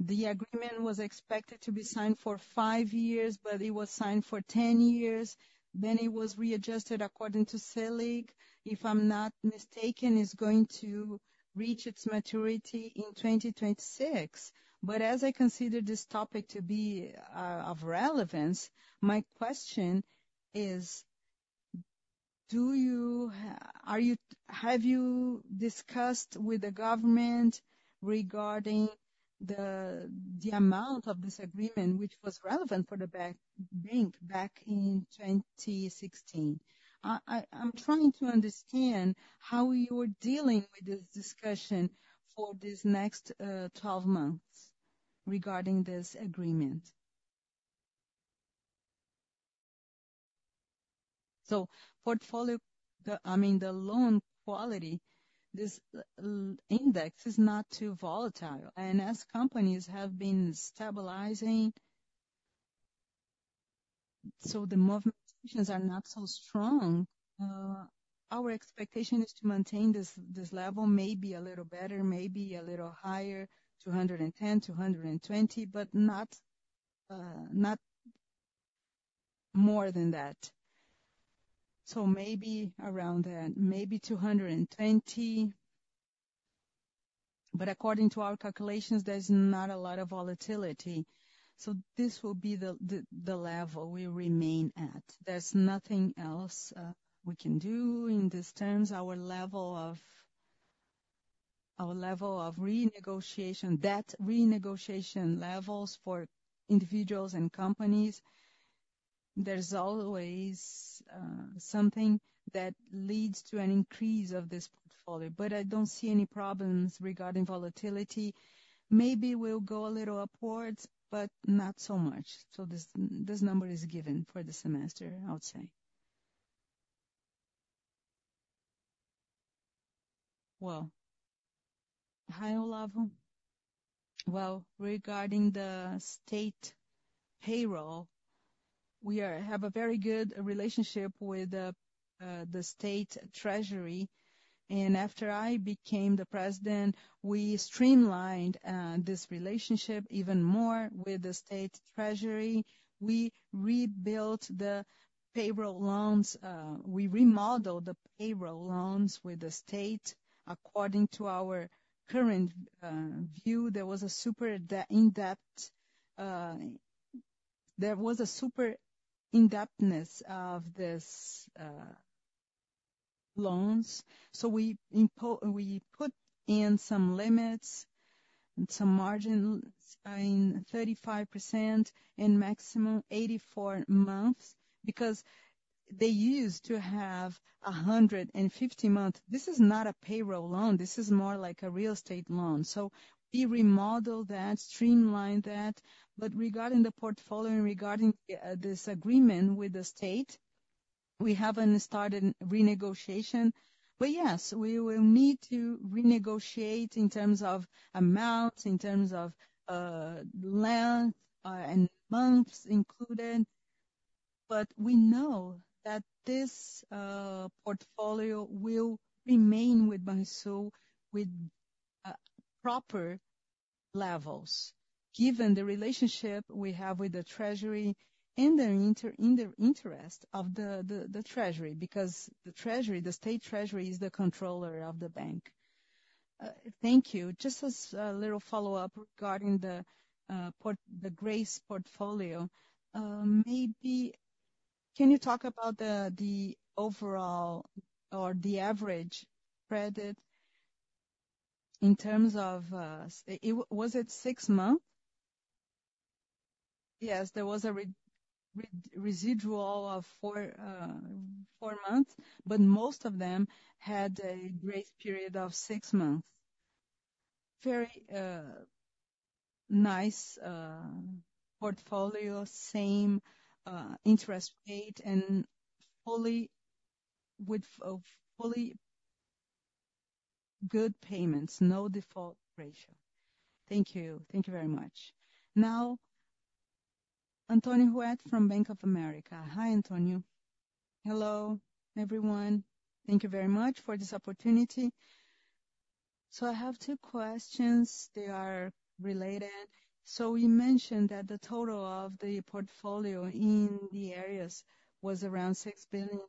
The agreement was expected to be signed for five years, but it was signed for ten years, then it was readjusted according to Selic. If I'm not mistaken, it's going to reach its maturity in 2026. But as I consider this topic to be of relevance, my question is: have you discussed with the government regarding the amount of this agreement, which was relevant for the bank back in 2016? I'm trying to understand how you are dealing with this discussion for this next 12 months regarding this agreement. So portfolio, I mean, the loan quality, this index is not too volatile. And as companies have been stabilizing, so the movement are not so strong, our expectation is to maintain this level, maybe a little better, maybe a little higher, 210-220, but not more than that. So maybe around that, maybe 220. But according to our calculations, there's not a lot of volatility, so this will be the level we remain at. There's nothing else we can do in these terms. Our level of renegotiation, that renegotiation levels for individuals and companies, there's always something that leads to an increase of this portfolio. But I don't see any problems regarding volatility. Maybe we'll go a little upwards, but not so much. So this number is given for the semester, I would say. Well, hi, Olavo. Well, regarding the state payroll, we have a very good relationship with the State Treasury, and after I became the president, we streamlined this relationship even more with the State Treasury. We rebuilt the payroll loans, we remodeled the payroll loans with the state. According to our current view, there was a super in-depthness of this loans, so we put in some limits and some margin, I mean, 35% and maximum 84 months, because they used to have 150 months. This is not a payroll loan, this is more like a real estate loan. So we remodeled that, streamlined that. But regarding the portfolio and regarding this agreement with the state, we haven't started renegotiation. But yes, we will need to renegotiate in terms of amounts, in terms of length, and months included. But we know that this portfolio will remain with Banrisul, with proper levels, given the relationship we have with the Treasury and in the interest of the Treasury, because the Treasury, the State Treasury, is the controller of the bank. Thank you. Just as a little follow-up regarding the grace portfolio, maybe can you talk about the overall or the average credit in terms of, was it six months? Yes, there was a residual of four months, but most of them had a grace period of six months. Very nice portfolio, same interest rate and fully with fully good payments, no default ratio. Thank you. Thank you very much. Now, Antonio Ruette from Bank of America. Hi, Antonio. Hello, everyone. Thank you very much for this opportunity. So I have two questions, they are related. So you mentioned that the total of the portfolio in the areas was around 6 billion,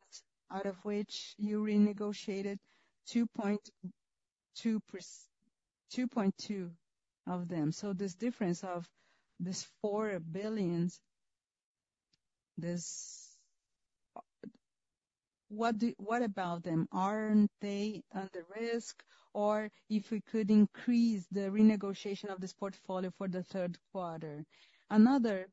out of which you renegotiated 2.2% of them. So this difference of this 4 billion, what about them? Aren't they under risk, or if we could increase the renegotiation of this portfolio for the Q3? Another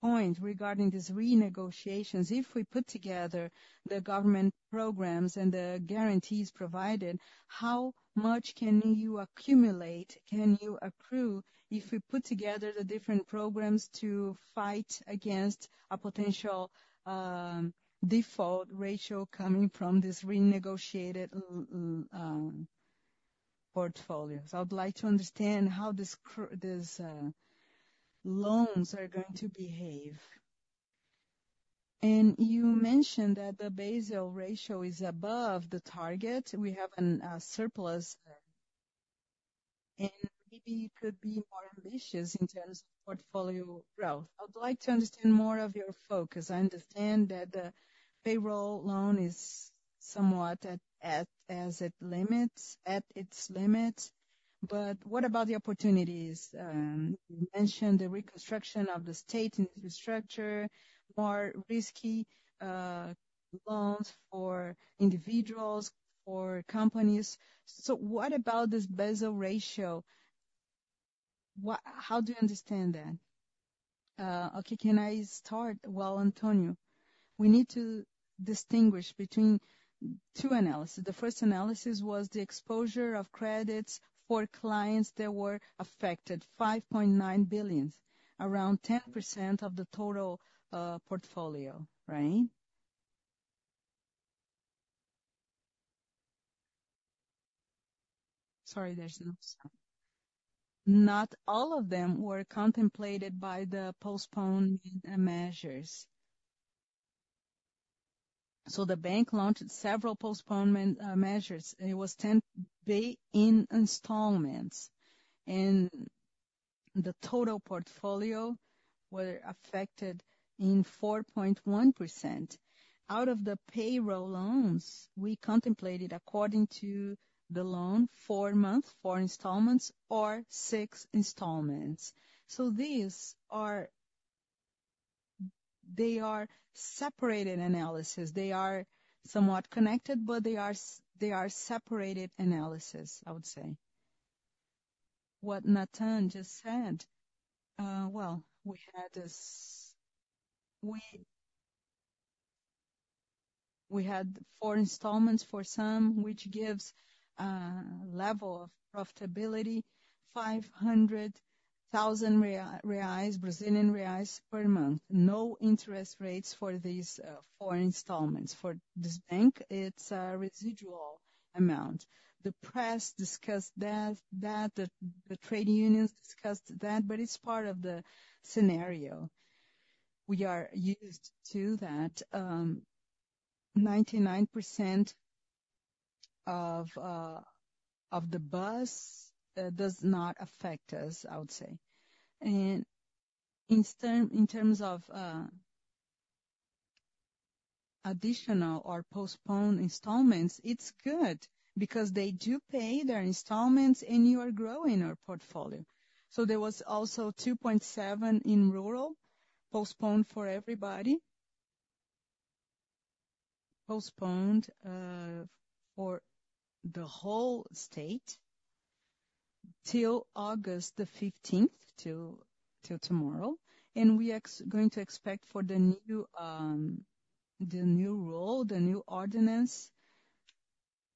point regarding these renegotiations, if we put together the government programs and the guarantees provided, how much can you accumulate, can you accrue, if we put together the different programs to fight against a potential default ratio coming from this renegotiated portfolio? So I would like to understand how these loans are going to behave. And you mentioned that the Basel Ratio is above the target. We have an surplus there, and maybe you could be more ambitious in terms of portfolio growth. I would like to understand more of your focus. I understand that the payroll loan is somewhat at its limits, but what about the opportunities? You mentioned the reconstruction of the state infrastructure, more risky loans for individuals, for companies. So what about this Basel Ratio? What- how do you understand that? Okay, can I start? Well, Antonio, we need to distinguish between two analysis. The first analysis was the exposure of credits for clients that were affected, 5.9 billion, around 10% of the total portfolio, right? Sorry, there's no sound. Not all of them were contemplated by the postponed measures. So the bank launched several postponement measures, and it was 10-day installments, and the total portfolio were affected in 4.1%. Out of the payroll loans, we contemplated, according to the loan, four months, four installments, or six installments. So these are they are separated analysis. They are somewhat connected, but they are they are separated analysis, I would say. What Natan just said, well, we had this, we had four installments for some, which gives level of profitability, 500,000 reais per month. No interest rates for these four installments. For this bank, it's a residual amount. The press discussed that, the trade unions discussed that, but it's part of the scenario. We are used to that. 99% of the business does not affect us, I would say. In terms of additional or postponed installments, it's good because they do pay their installments, and we are growing our portfolio. So there was also 2.7% in rural, postponed for everybody, postponed for the whole state till August the 15th, till tomorrow, and we are going to expect for the new, the new rule, the new ordinance.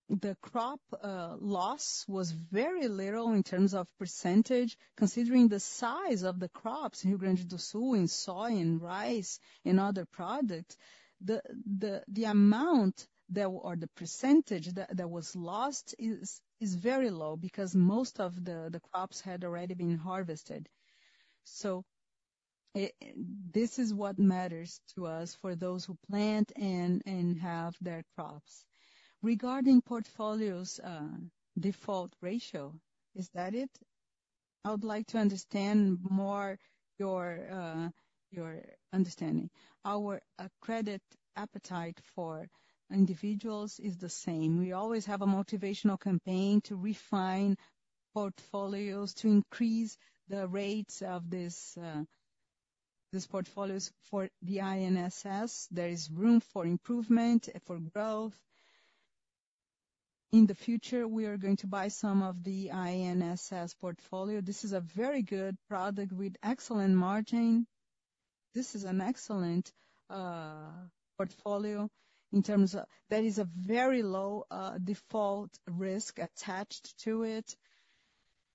The crop loss was very little in terms of percentage, considering the size of the crops in Rio Grande do Sul, in soy, in rice, in other product. The amount that or the percentage that was lost is very low because most of the crops had already been harvested. So this is what matters to us, for those who plant and have their crops. Regarding portfolio's default ratio, is that it? I would like to understand more your, your understanding. Our credit appetite for individuals is the same. We always have a motivational campaign to refine portfolios, to increase the rates of this, these portfolios. For the INSS, there is room for improvement, for growth. In the future, we are going to buy some of the INSS portfolio. This is a very good product with excellent margin. This is an excellent portfolio in terms of, there is a very low, default risk attached to it.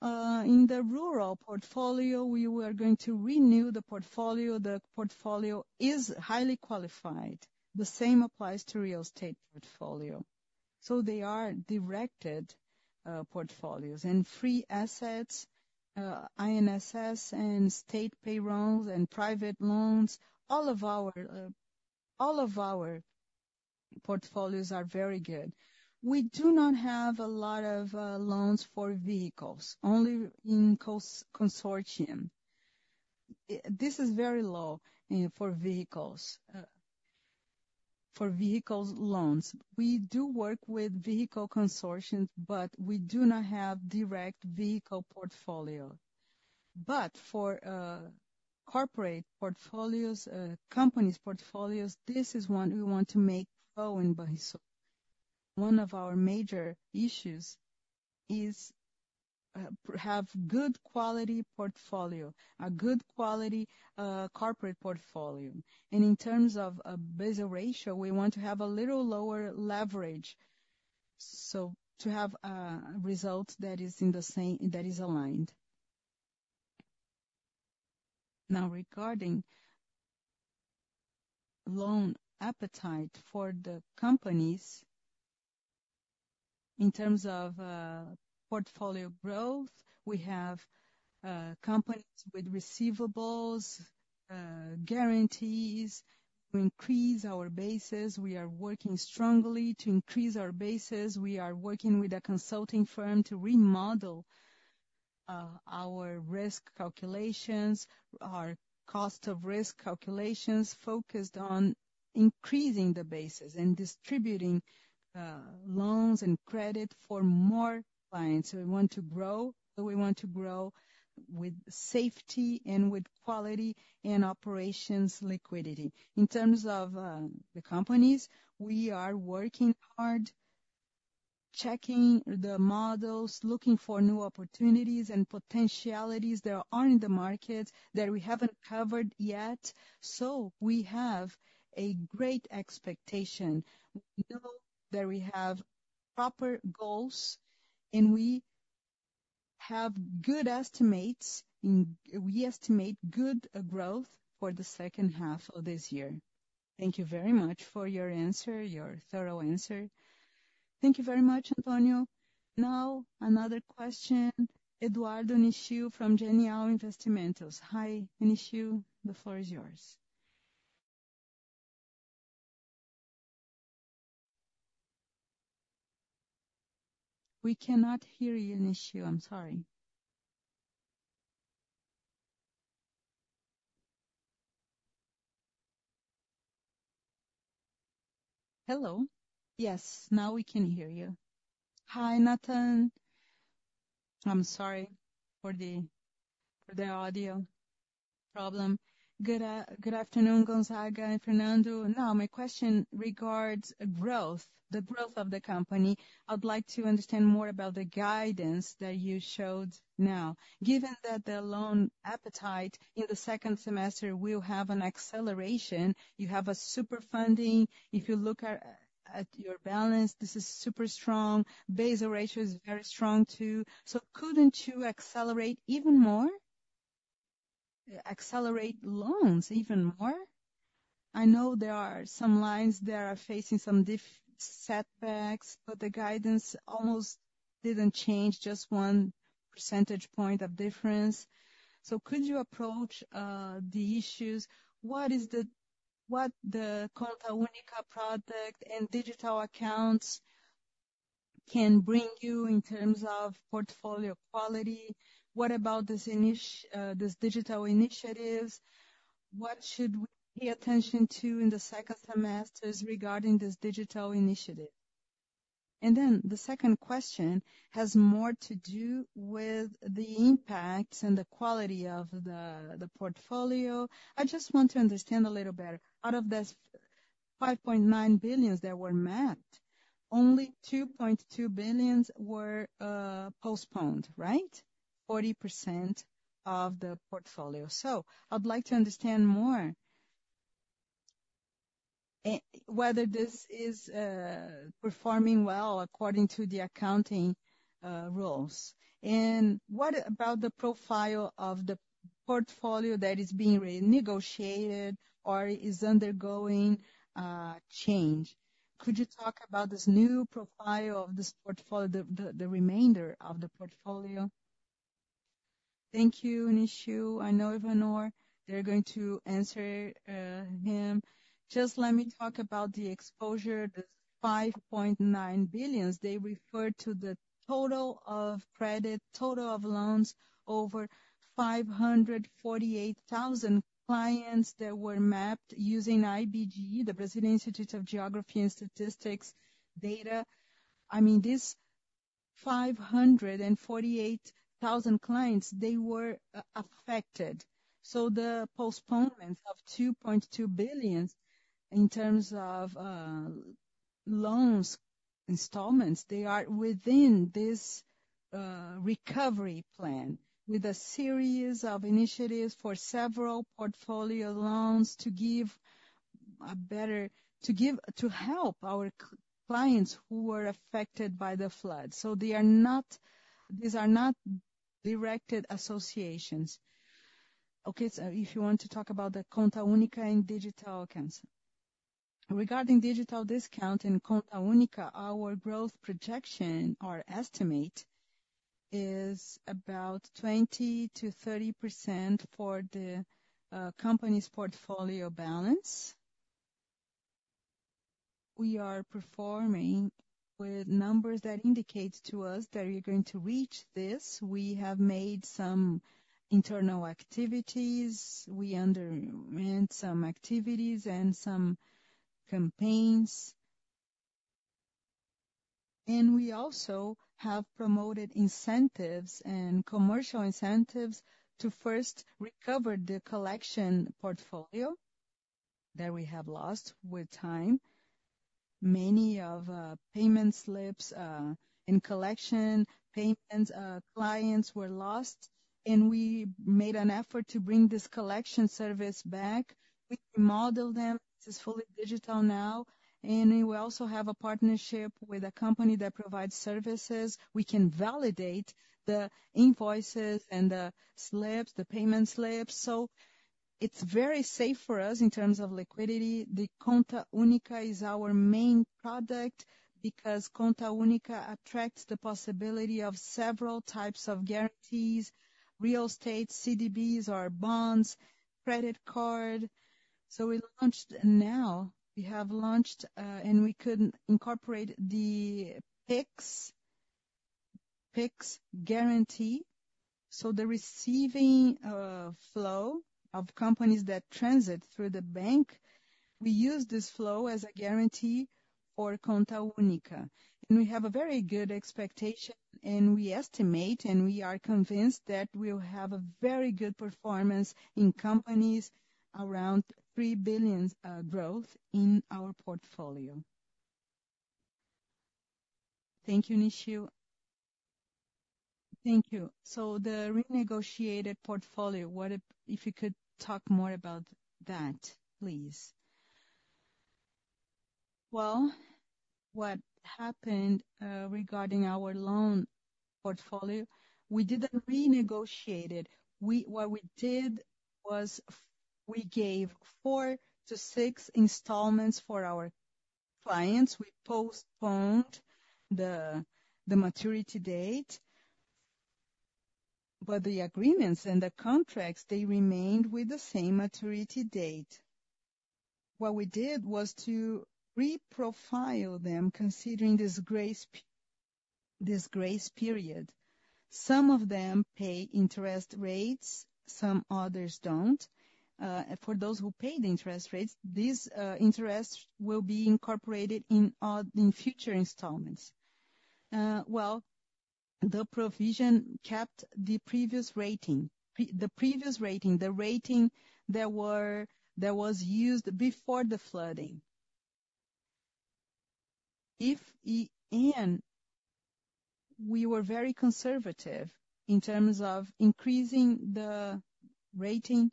In the rural portfolio, we were going to renew the portfolio. The portfolio is highly qualified. The same applies to real estate portfolio, so they are directed, portfolios. And free assets, INSS, and state payrolls, and private loans, all of our, all of our portfolios are very good. We do not have a lot of loans for vehicles, only in consortium. This is very low for vehicles loans. We do work with vehicle consortiums, but we do not have direct vehicle portfolio. But for corporate portfolios, companies' portfolios, this is one we want to make flow in Banco. One of our major issues is have good quality portfolio, a good quality corporate portfolio. And in terms of Basel Ratio, we want to have a little lower leverage, so to have results that is in the same-- that is aligned. Now, regarding loan appetite for the companies, in terms of portfolio growth, we have companies with receivables, guarantees to increase our bases. We are working strongly to increase our bases. We are working with a consulting firm to remodel our risk calculations, our cost of risk calculations, focused on increasing the bases and distributing loans and credit for more clients. We want to grow, but we want to grow with safety and with quality and operations liquidity. In terms of the companies, we are working hard, checking the models, looking for new opportunities and potentialities that are in the market that we haven't covered yet. So we have a great expectation. We know that we have proper goals, and we have good estimates, and we estimate good growth for the H2 of this year. Thank you very much for your answer, your thorough answer. Thank you very much, Antonio. Now, another question, Eduardo Nishio from Genial Investimentos. Hi, Nishio, the floor is yours. We cannot hear you, Nishio. I'm sorry. Hello. Yes, now we can hear you. Hi, Nathan. I'm sorry for the audio problem. Good afternoon, Gonzaga and Fernando. Now, my question regards growth, the growth of the company. I'd like to understand more about the guidance that you showed now. Given that the loan appetite in the second semester will have an acceleration, you have a super funding. If you look at your balance, this is super strong. Basel ratio is very strong, too. So, couldn't you accelerate even more? Accelerate loans even more? I know there are some lines that are facing some setbacks, but the guidance almost didn't change, just 1 percentage point of difference. So could you approach the issues? What the Conta Única product and digital accounts can bring you in terms of portfolio quality? What about this digital initiatives? What should we pay attention to in the second semesters regarding this digital initiative? Then the second question has more to do with the impact and the quality of the, the portfolio. I just want to understand a little better. Out of this 5.9 billion that were mapped, only 2.2 billion were postponed, right? 40% of the portfolio. So I'd like to understand more, whether this is performing well according to the accounting rules. And what about the profile of the portfolio that is being renegotiated or is undergoing change? Could you talk about this new profile of this portfolio, the, the, the remainder of the portfolio? Thank you, Nishio. I know Ivanor, they're going to answer him. Just let me talk about the exposure. This 5.9 billion refers to the total of credit, total of loans, over 548,000 clients that were mapped using IBGE, the Brazilian Institute of Geography and Statistics data. I mean, these 548,000 clients, they were affected. So the postponement of 2.2 billion, in terms of, loans installments, they are within this, recovery plan, with a series of initiatives for several portfolio loans to give a better to help our clients who were affected by the flood. So they are not. These are not directed associations. Okay, so if you want to talk about the Conta Única and digital accounts. Regarding Digital Discount and Conta Única, our growth projection or estimate is about 20%-30% for the company's portfolio balance. We are performing with numbers that indicates to us that we're going to reach this. We have made some internal activities. We underwent some activities and some campaigns. We also have promoted incentives and commercial incentives to first recover the collection portfolio that we have lost with time. Many of payment slips in collection, payments clients were lost, and we made an effort to bring this collection service back. We remodeled them. This is fully digital now, and we also have a partnership with a company that provides services. We can validate the invoices and the slips, the payment slips, so it's very safe for us in terms of liquidity. The Conta Única is our main product because Conta Única attracts the possibility of several types of guarantees, real estate, CDBs or bonds, credit card. So we launched. Now, we have launched, and we could incorporate the Pix guarantee. So the receiving flow of companies that transit through the bank, we use this flow as a guarantee for Conta Única. And we have a very good expectation, and we estimate, and we are convinced that we'll have a very good performance in companies around 3 billion growth in our portfolio. Thank you, Nishio. Thank you. So the renegotiated portfolio, if you could talk more about that, please? Well, what happened regarding our loan portfolio? We didn't renegotiate it. We gave 4-6 installments for our clients. We postponed the maturity date, but the agreements and the contracts, they remained with the same maturity date. What we did was to reprofile them, considering this grace period. Some of them pay interest rates, some others don't. For those who pay the interest rates, these interests will be incorporated in, in future installments. Well, the provision kept the previous rating, the previous rating, the rating that was used before the flooding. And we were very conservative in terms of increasing the rating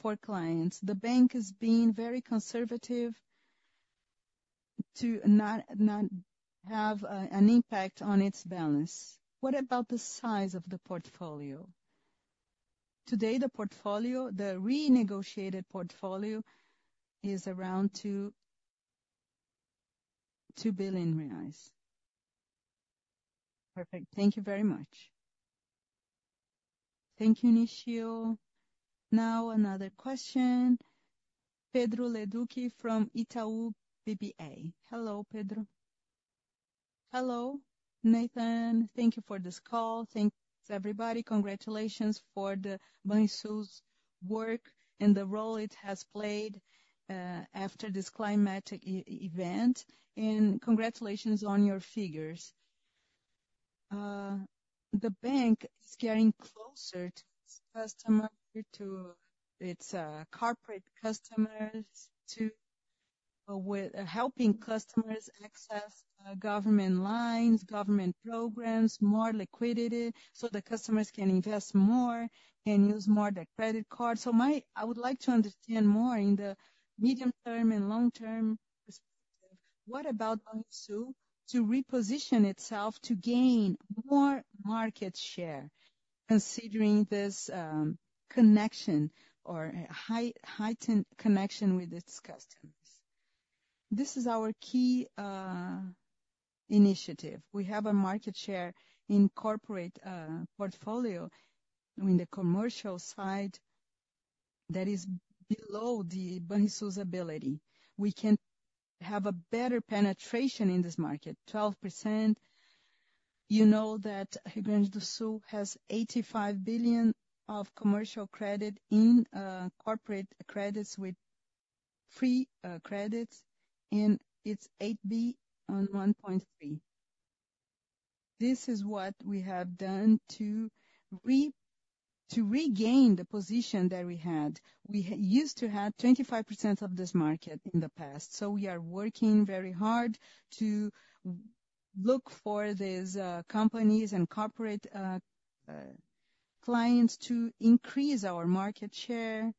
for clients. The bank is being very conservative to not have an impact on its balance. What about the size of the portfolio? Today, the portfolio, the renegotiated portfolio, is around 2.2 billion reais. Perfect. Thank you very much. Thank you, Nishio. Now, another question. Pedro Leduc from Itaú BBA. Hello, Pedro. Hello. Nathan, thank you for this call. Thanks, everybody. Congratulations for Banrisul's work and the role it has played, after this climatic event, and congratulations on your figures. The bank is getting closer to its customer, to its corporate customers, with helping customers access government lines, government programs, more liquidity, so the customers can invest more and use more the credit card. So, my—I would like to understand more in the medium-term and long-term perspective, what about Banrisul to reposition itself to gain more market share, considering this connection or heightened connection with its customers? This is our key initiative. We have a market share in corporate portfolio in the commercial side that is below the Banrisul's ability. We can have a better penetration in this market, 12%. You know that Rio Grande do Sul has 85 billion of commercial credit in corporate credits with free credits, and it's 8 billion on 1.3%. This is what we have done to regain the position that we had. We used to have 25% of this market in the past, so we are working very hard to look for these companies and corporate clients to increase our market share,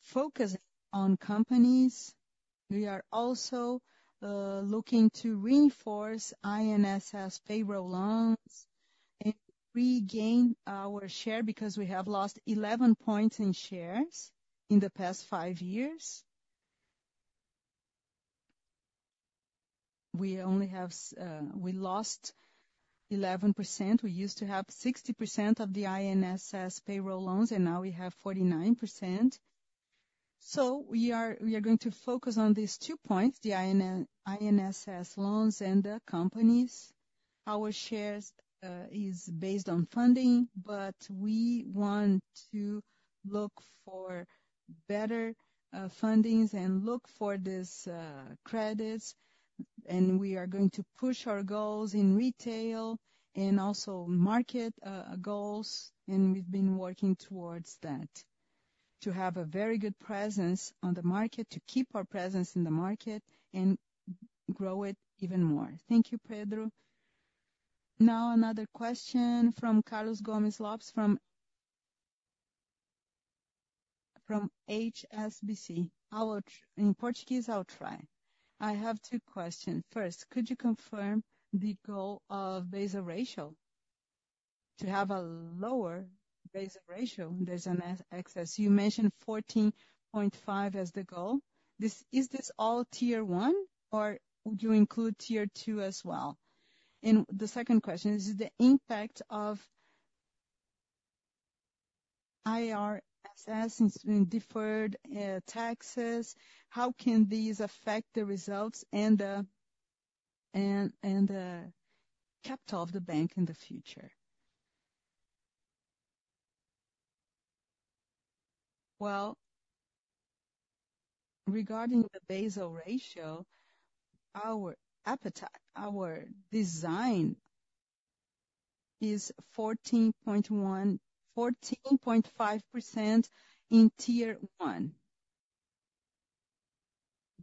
focus on companies. We are also looking to reinforce INSS payroll loans and regain our share, because we have lost 11 points in shares in the past five years. We only have, we lost 11%. We used to have 60% of the INSS payroll loans, and now we have 49%. So we are going to focus on these two points, the INSS loans and the companies. Our shares is based on funding, but we want to look for better fundings and look for these credits. And we are going to push our goals in retail and also market goals, and we've been working towards that: to have a very good presence on the market, to keep our presence in the market and grow it even more. Thank you, Pedro. Now, another question from Carlos Gomez-Lopez, from HSBC. I will try in Portuguese, I'll try. I have two questions. First, could you confirm the goal of Basel ratio? To have a lower Basel ratio, there's an excess. You mentioned 14.5% as the goal. Is this all Tier 1, or would you include Tier 2 as well? And the second question is the impact of IFRS in deferred taxes, how can these affect the results and the capital of the bank in the future? Well, regarding the Basel Ratio, our appetite, our design is 14.1%-14.5% in Tier 1.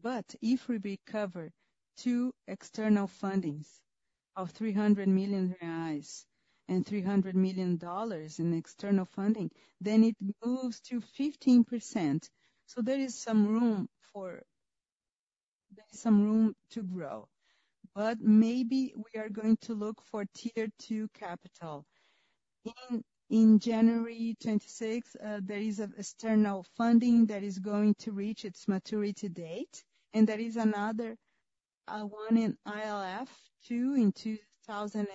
But if we recover two external fundings of 300 million reais and $300 million in external funding, then it moves to 15%. So there is some room for, there is some room to grow, but maybe we are going to look for Tier 2 capital. In January 26, there is an external funding that is going to reach its maturity date, and there is another one in LF, too, in 2026, of a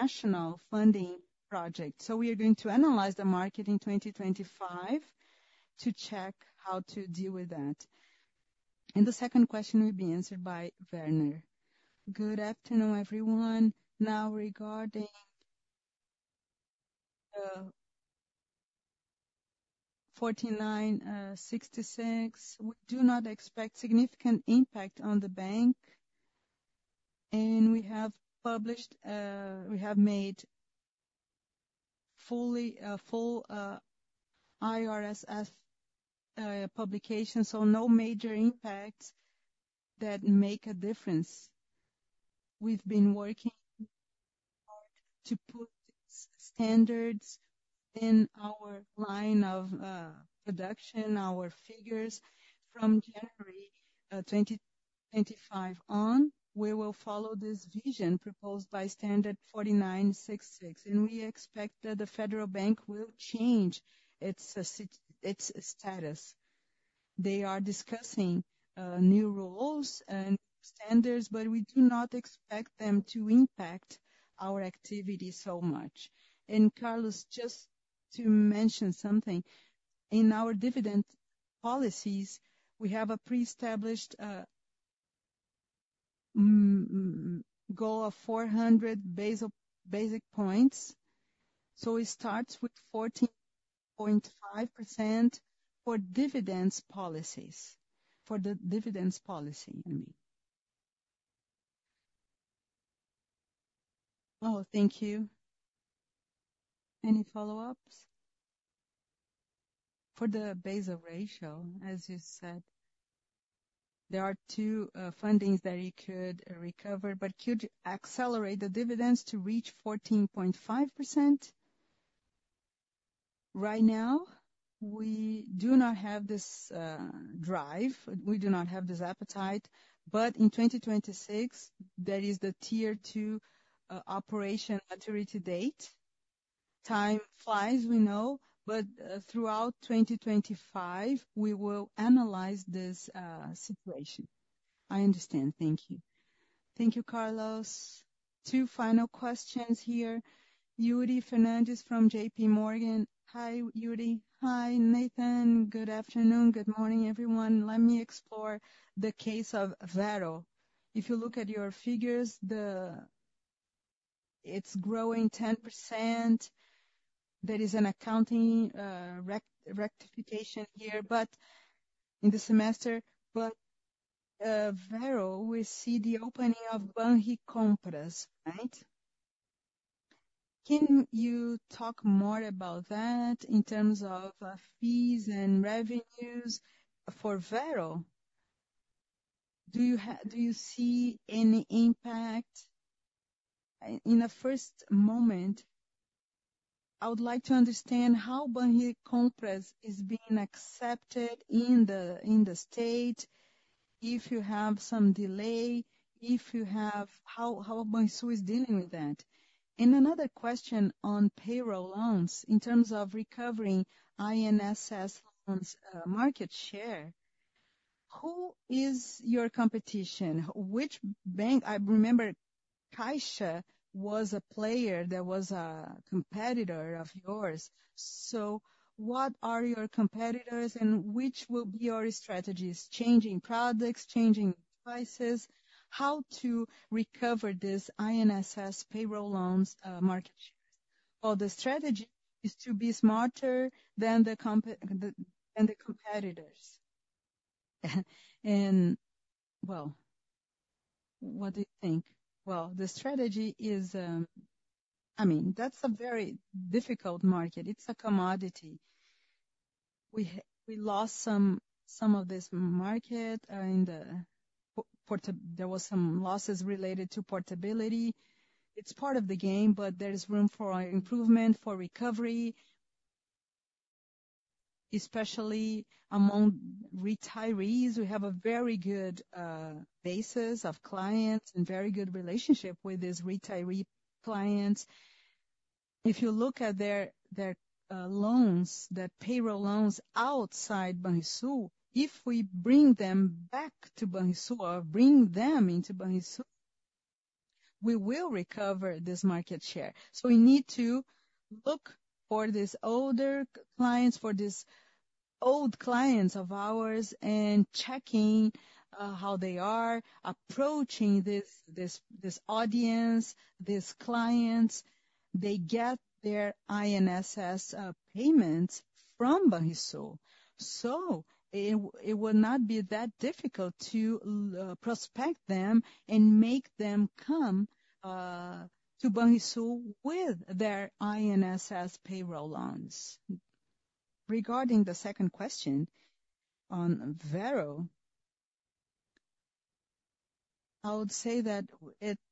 national funding project. So we are going to analyze the market in 2025 to check how to deal with that. The second question will be answered by Werner. Good afternoon, everyone. Now, regarding 4.966, we do not expect significant impact on the bank, and we have published. We have made full IFRS publication, so no major impact that make a difference. We've been working hard to put standards in our line of production, our figures. From January 2025 on, we will follow this vision proposed by standard 4.966, and we expect that the Central Bank will change its status. They are discussing new rules and standards, but we do not expect them to impact our activity so much. And Carlos, just to mention something, in our dividend policies, we have a pre-established goal of 400 basis points. So it starts with 14.5% for dividends policies, for the dividends policy, I mean. Oh, thank you. Any follow-ups? For the Basel ratio, as you said, there are two fundings that you could recover, but could you accelerate the dividends to reach 14.5%? Right now, we do not have this drive. We do not have this appetite, but in 2026, there is the Tier 2 operation maturity date. Time flies, we know, but throughout 2025, we will analyze this situation. I understand. Thank you. Thank you, Carlos. Two final questions here. Yuri Fernandes from JPMorgan. Hi, Yuri. Hi, Nathan. Good afternoon. Good morning, everyone. Let me explore the case of Vero. If you look at your figures, it's growing 10%. There is an accounting rectification here, but in the semester, Vero, we see the opening of Banricompras, right? Can you talk more about that in terms of, fees and revenues for Vero? Do you see any impact? In the first moment, I would like to understand how Banricompras is being accepted in the, in the state, if you have some delay, if you have, how Banrisul is dealing with that? And another question on payroll loans, in terms of recovering INSS loans, market share, who is your competition? Which bank-- I remember Caixa was a player that was a competitor of yours. So what are your competitors, and which will be your strategies? Changing products, changing prices, how to recover this INSS payroll loans, market share? Well, the strategy is to be smarter than the competitors. And well, what do you think? Well, the strategy is, I mean, that's a very difficult market. It's a commodity. We lost some of this market in the portability. There was some losses related to portability. It's part of the game, but there is room for improvement, for recovery. Especially among retirees, we have a very good basis of clients and very good relationship with these retiree clients. If you look at their loans, the payroll loans outside Banrisul, if we bring them back to Banrisul or bring them into Banrisul, we will recover this market share. So we need to look for these older clients, for these old clients of ours, and checking how they are approaching this audience, these clients. They get their INSS payments from Banrisul. So it will not be that difficult to prospect them and make them come to Banrisul with their INSS payroll loans. Regarding the second question on Vero, I would say that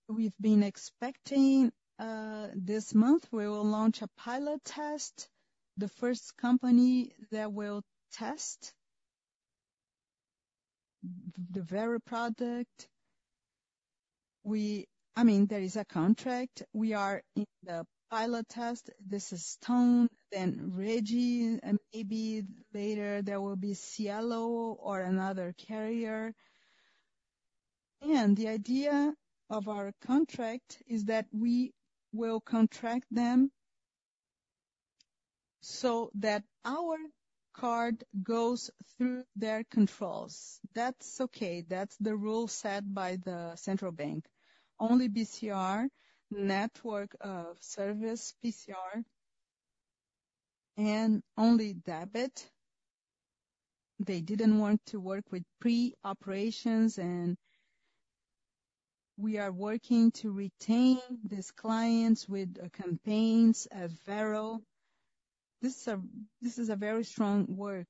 we've been expecting this month, we will launch a pilot test, the first company that will test the Vero product. I mean, there is a contract. We are in the pilot test. This is Stone, then Rede, and maybe later there will be Cielo or another carrier. And the idea of our contract is that we will contract them so that our card goes through their controls. That's okay. That's the rule set by the central bank. Only BCR, network of service, BCR and only debit. They didn't want to work with pre-operations, and we are working to retain these clients with campaigns at Vero. This is a, this is a very strong work.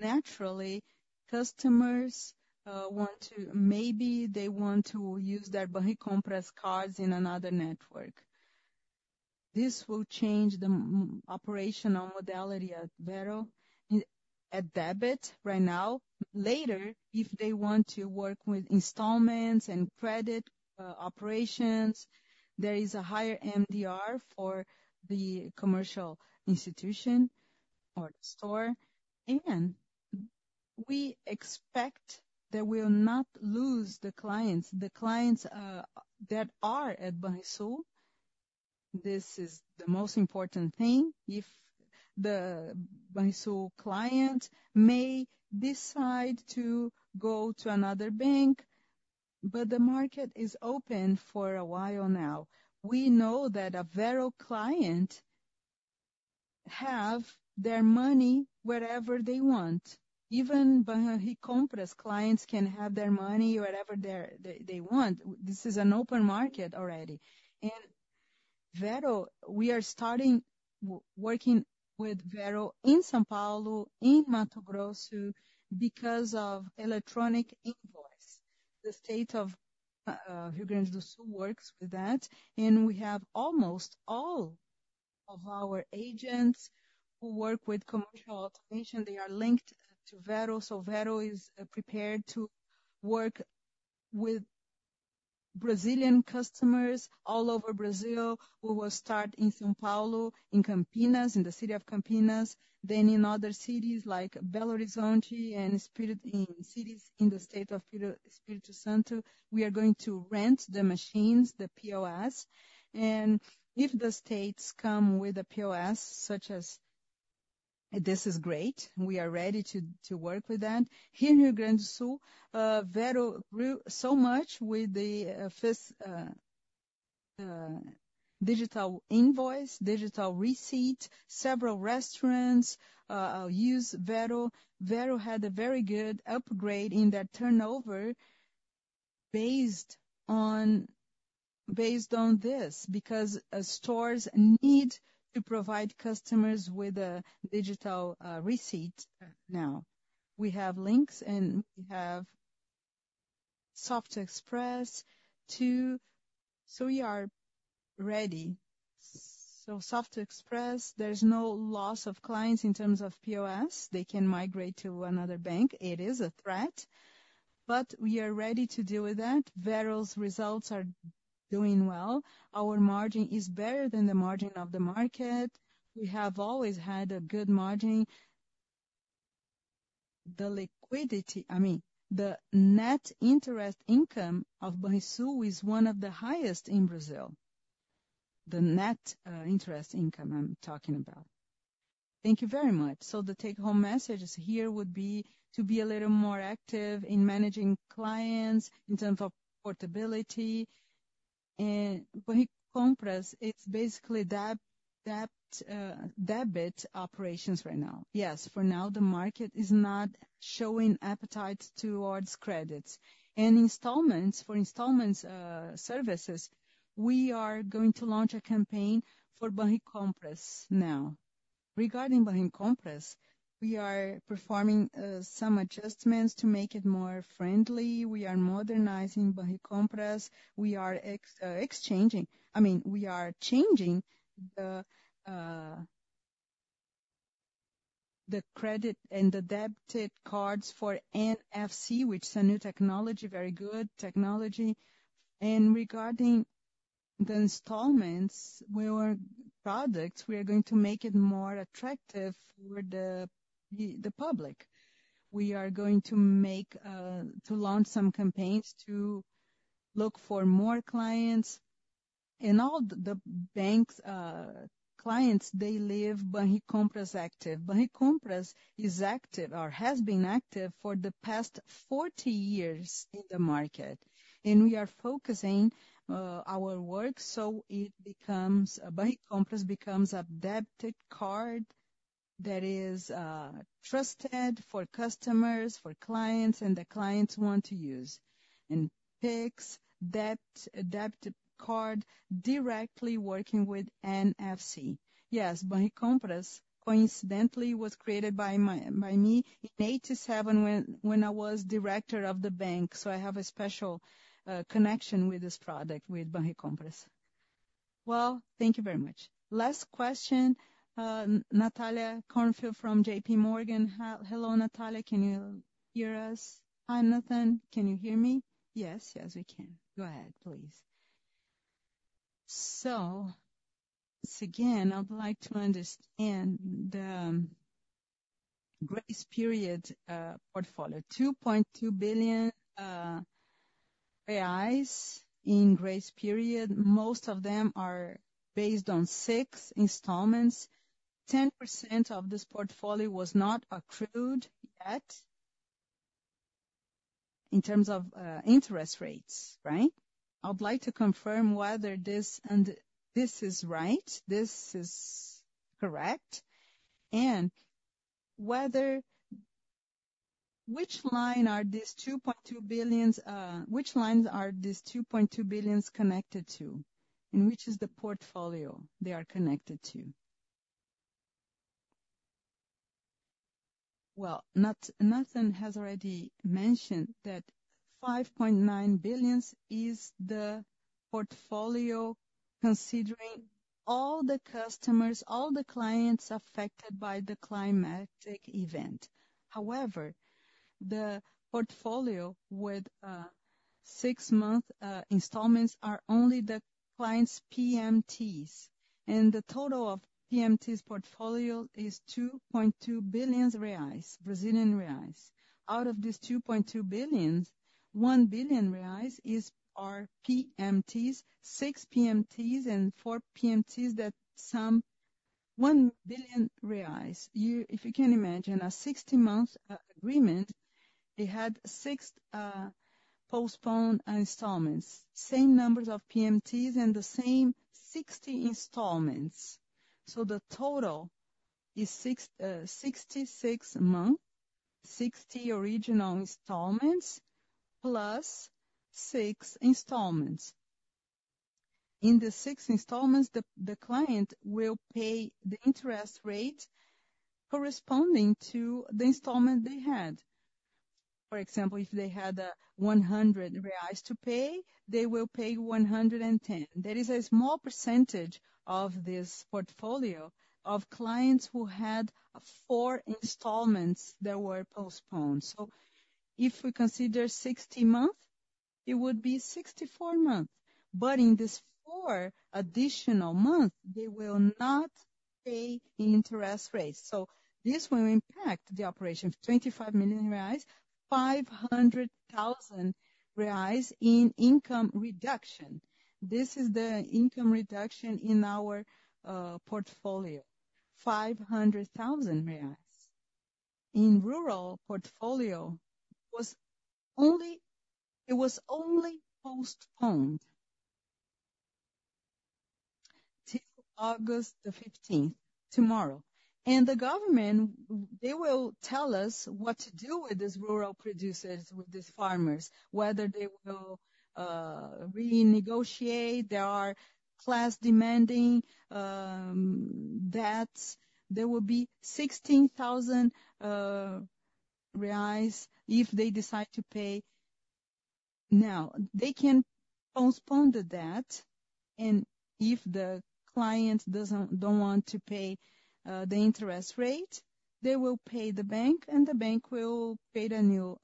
Naturally, customers want to maybe they want to use their Banricompras cards in another network. This will change the operational modality at Vero, at debit right now. Later, if they want to work with installments and credit operations, there is a higher MDR for the commercial institution or the store, and we expect that we'll not lose the clients. The clients that are at Banrisul. This is the most important thing, if the Banrisul client may decide to go to another bank, but the market is open for a while now. We know that a Vero client have their money wherever they want. Even Banricompras clients can have their money wherever they're, they want. This is an open market already. And Vero, we are starting working with Vero in São Paulo, in Mato Grosso, because of electronic invoice. The state of Rio Grande do Sul works with that, and we have almost all of our agents who work with commercial automation; they are linked to Vero. So Vero is prepared to work with Brazilian customers all over Brazil, who will start in São Paulo, in Campinas, in the city of Campinas, then in other cities like Belo Horizonte and Espírito, in cities in the state of Espírito Santo. We are going to rent the machines, the POS, and if the states come with a POS, such as. This is great. We are ready to work with that. Here in Rio Grande do Sul, Vero grew so much with the first digital invoice, digital receipt; several restaurants use Vero. Vero had a very good upgrade in their turnover based on, based on this, because stores need to provide customers with a digital receipt now. We have links, and we have Soft Express too, so we are ready. So Soft Express, there's no loss of clients in terms of POS. They can migrate to another bank. It is a threat, but we are ready to deal with that. Vero's results are doing well. Our margin is better than the margin of the market. We have always had a good margin. The liquidity—I mean, the net interest income of Banrisul is one of the highest in Brazil. The net interest income, I'm talking about. Thank you very much. So the take home messages here would be to be a little more active in managing clients in terms of portability. Banricompras, it's basically debt, debt, debit operations right now. Yes, for now, the market is not showing appetite towards credits. Installments, for installments, services, we are going to launch a campaign for Banricompras now. Regarding Banricompras, we are performing some adjustments to make it more friendly. We are modernizing Banricompras. I mean, we are changing the credit and the debit cards for NFC, which is a new technology, very good technology. And regarding the installments, with our products, we are going to make it more attractive for the public. We are going to launch some campaigns to look for more clients. And all the bank's clients, they leave Banricompras active. Banricompras is active or has been active for the past 40 years in the market, and we are focusing our work so it becomes Banricompras becomes a debit card that is trusted for customers, for clients, and the clients want to use. And takes debit, debit card directly working with NFC. Yes, Banricompras, coincidentally, was created by me in 1987, when I was director of the bank, so I have a special connection with this product, with Banricompras. Well, thank you very much. Last question, Natalia Corfield from JPMorgan. Hello, Natalia, can you hear us? Hi, Nathan, can you hear me? Yes, yes, we can. Go ahead, please. So once again, I'd like to understand the grace period portfolio. 2.2 billion reais in grace period, most of them are based on six installments. 10% of this portfolio was not accrued yet in terms of interest rates, right? I would like to confirm whether this and- this is right, this is correct, and whether, which line are these 2.2 billions, which lines are these 2.2 billions connected to, and which is the portfolio they are connected to? Well, Nat- Nathan has already mentioned that 5.9 billion is the portfolio, considering all the customers, all the clients affected by the climatic event. However, the portfolio with six month installments are only the clients' PMTs, and the total of PMTs portfolio is 2.2 billion reais. Out of these 2.2 billions, 1 billion reais is, are PMTs, six PMTs, and four PMTs, that some- 1 billion reais. You, if you can imagine, a 60-month agreement, they had 6 postponed installments, same numbers of PMTs, and the same 60 installments. So the total is six- 66-month, 60 original installments, plus six installments. In the six installments, the client will pay the interest rate corresponding to the installment they had. For example, if they had 100 reais to pay, they will pay 110. There is a small percentage of this portfolio of clients who had 4 installments that were postponed. So if we consider 60 month, it would be 64 month. But in this four additional month, they will not pay interest rates. So this will impact the operation of 25 million reais, 500,000 reais in income reduction. This is the income reduction in our portfolio, 500,000 reais. In rural portfolio, it was only postponed till August the fifteenth, tomorrow. The government, they will tell us what to do with these rural producers, with these farmers, whether they will renegotiate. There are class-demanding debts. There will be 16,000 reais if they decide to pay now. They can postpone the debt, and if the client don't want to pay the interest rate, they will pay the bank, and the bank will pay the new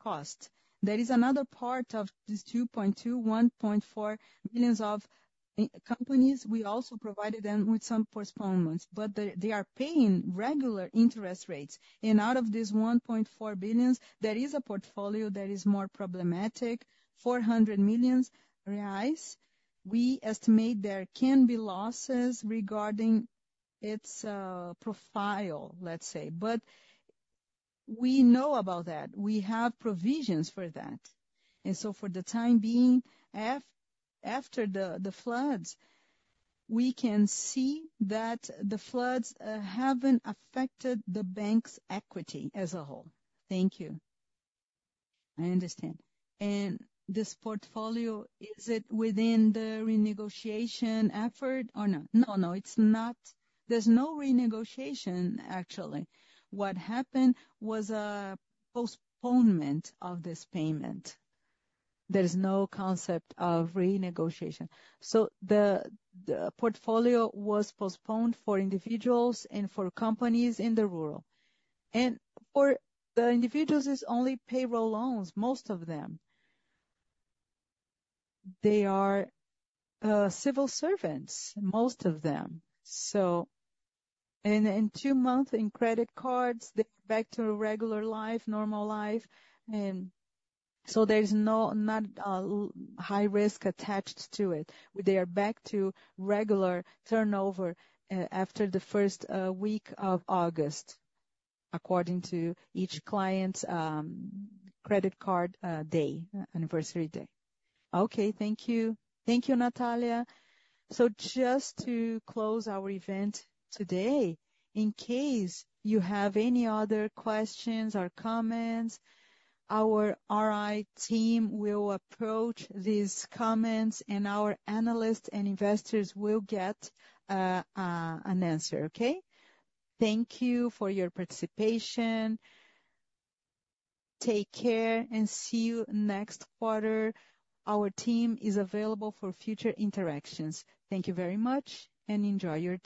cost. There is another part of this 2.2 billion, 1.4 billion of companies. We also provided them with some postponements, but they are paying regular interest rates. Out of this 1.4 billion, there is a portfolio that is more problematic, 400 million reais. We estimate there can be losses regarding its profile, let's say. But we know about that. We have provisions for that. And so for the time being, after the floods, we can see that the floods haven't affected the bank's equity as a whole. Thank you. I understand. And this portfolio, is it within the renegotiation effort or no? No, no, it's not. There's no renegotiation, actually. What happened was a postponement of this payment. There is no concept of renegotiation. So the portfolio was postponed for individuals and for companies in the rural. And for the individuals, it's only payroll loans, most of them. They are civil servants, most of them. So, and two months in credit cards, they're back to regular life, normal life, and so there's no high risk attached to it. They are back to regular turnover after the first week of August, according to each client's credit card day, Anniversary Day. Okay, thank you. Thank you, Natalia. So just to close our event today, in case you have any other questions or comments, our RI team will approach these comments, and our analysts and investors will get, an answer, okay? Thank you for your participation. Take care, and see you next quarter. Our team is available for future interactions. Thank you very much, and enjoy your day!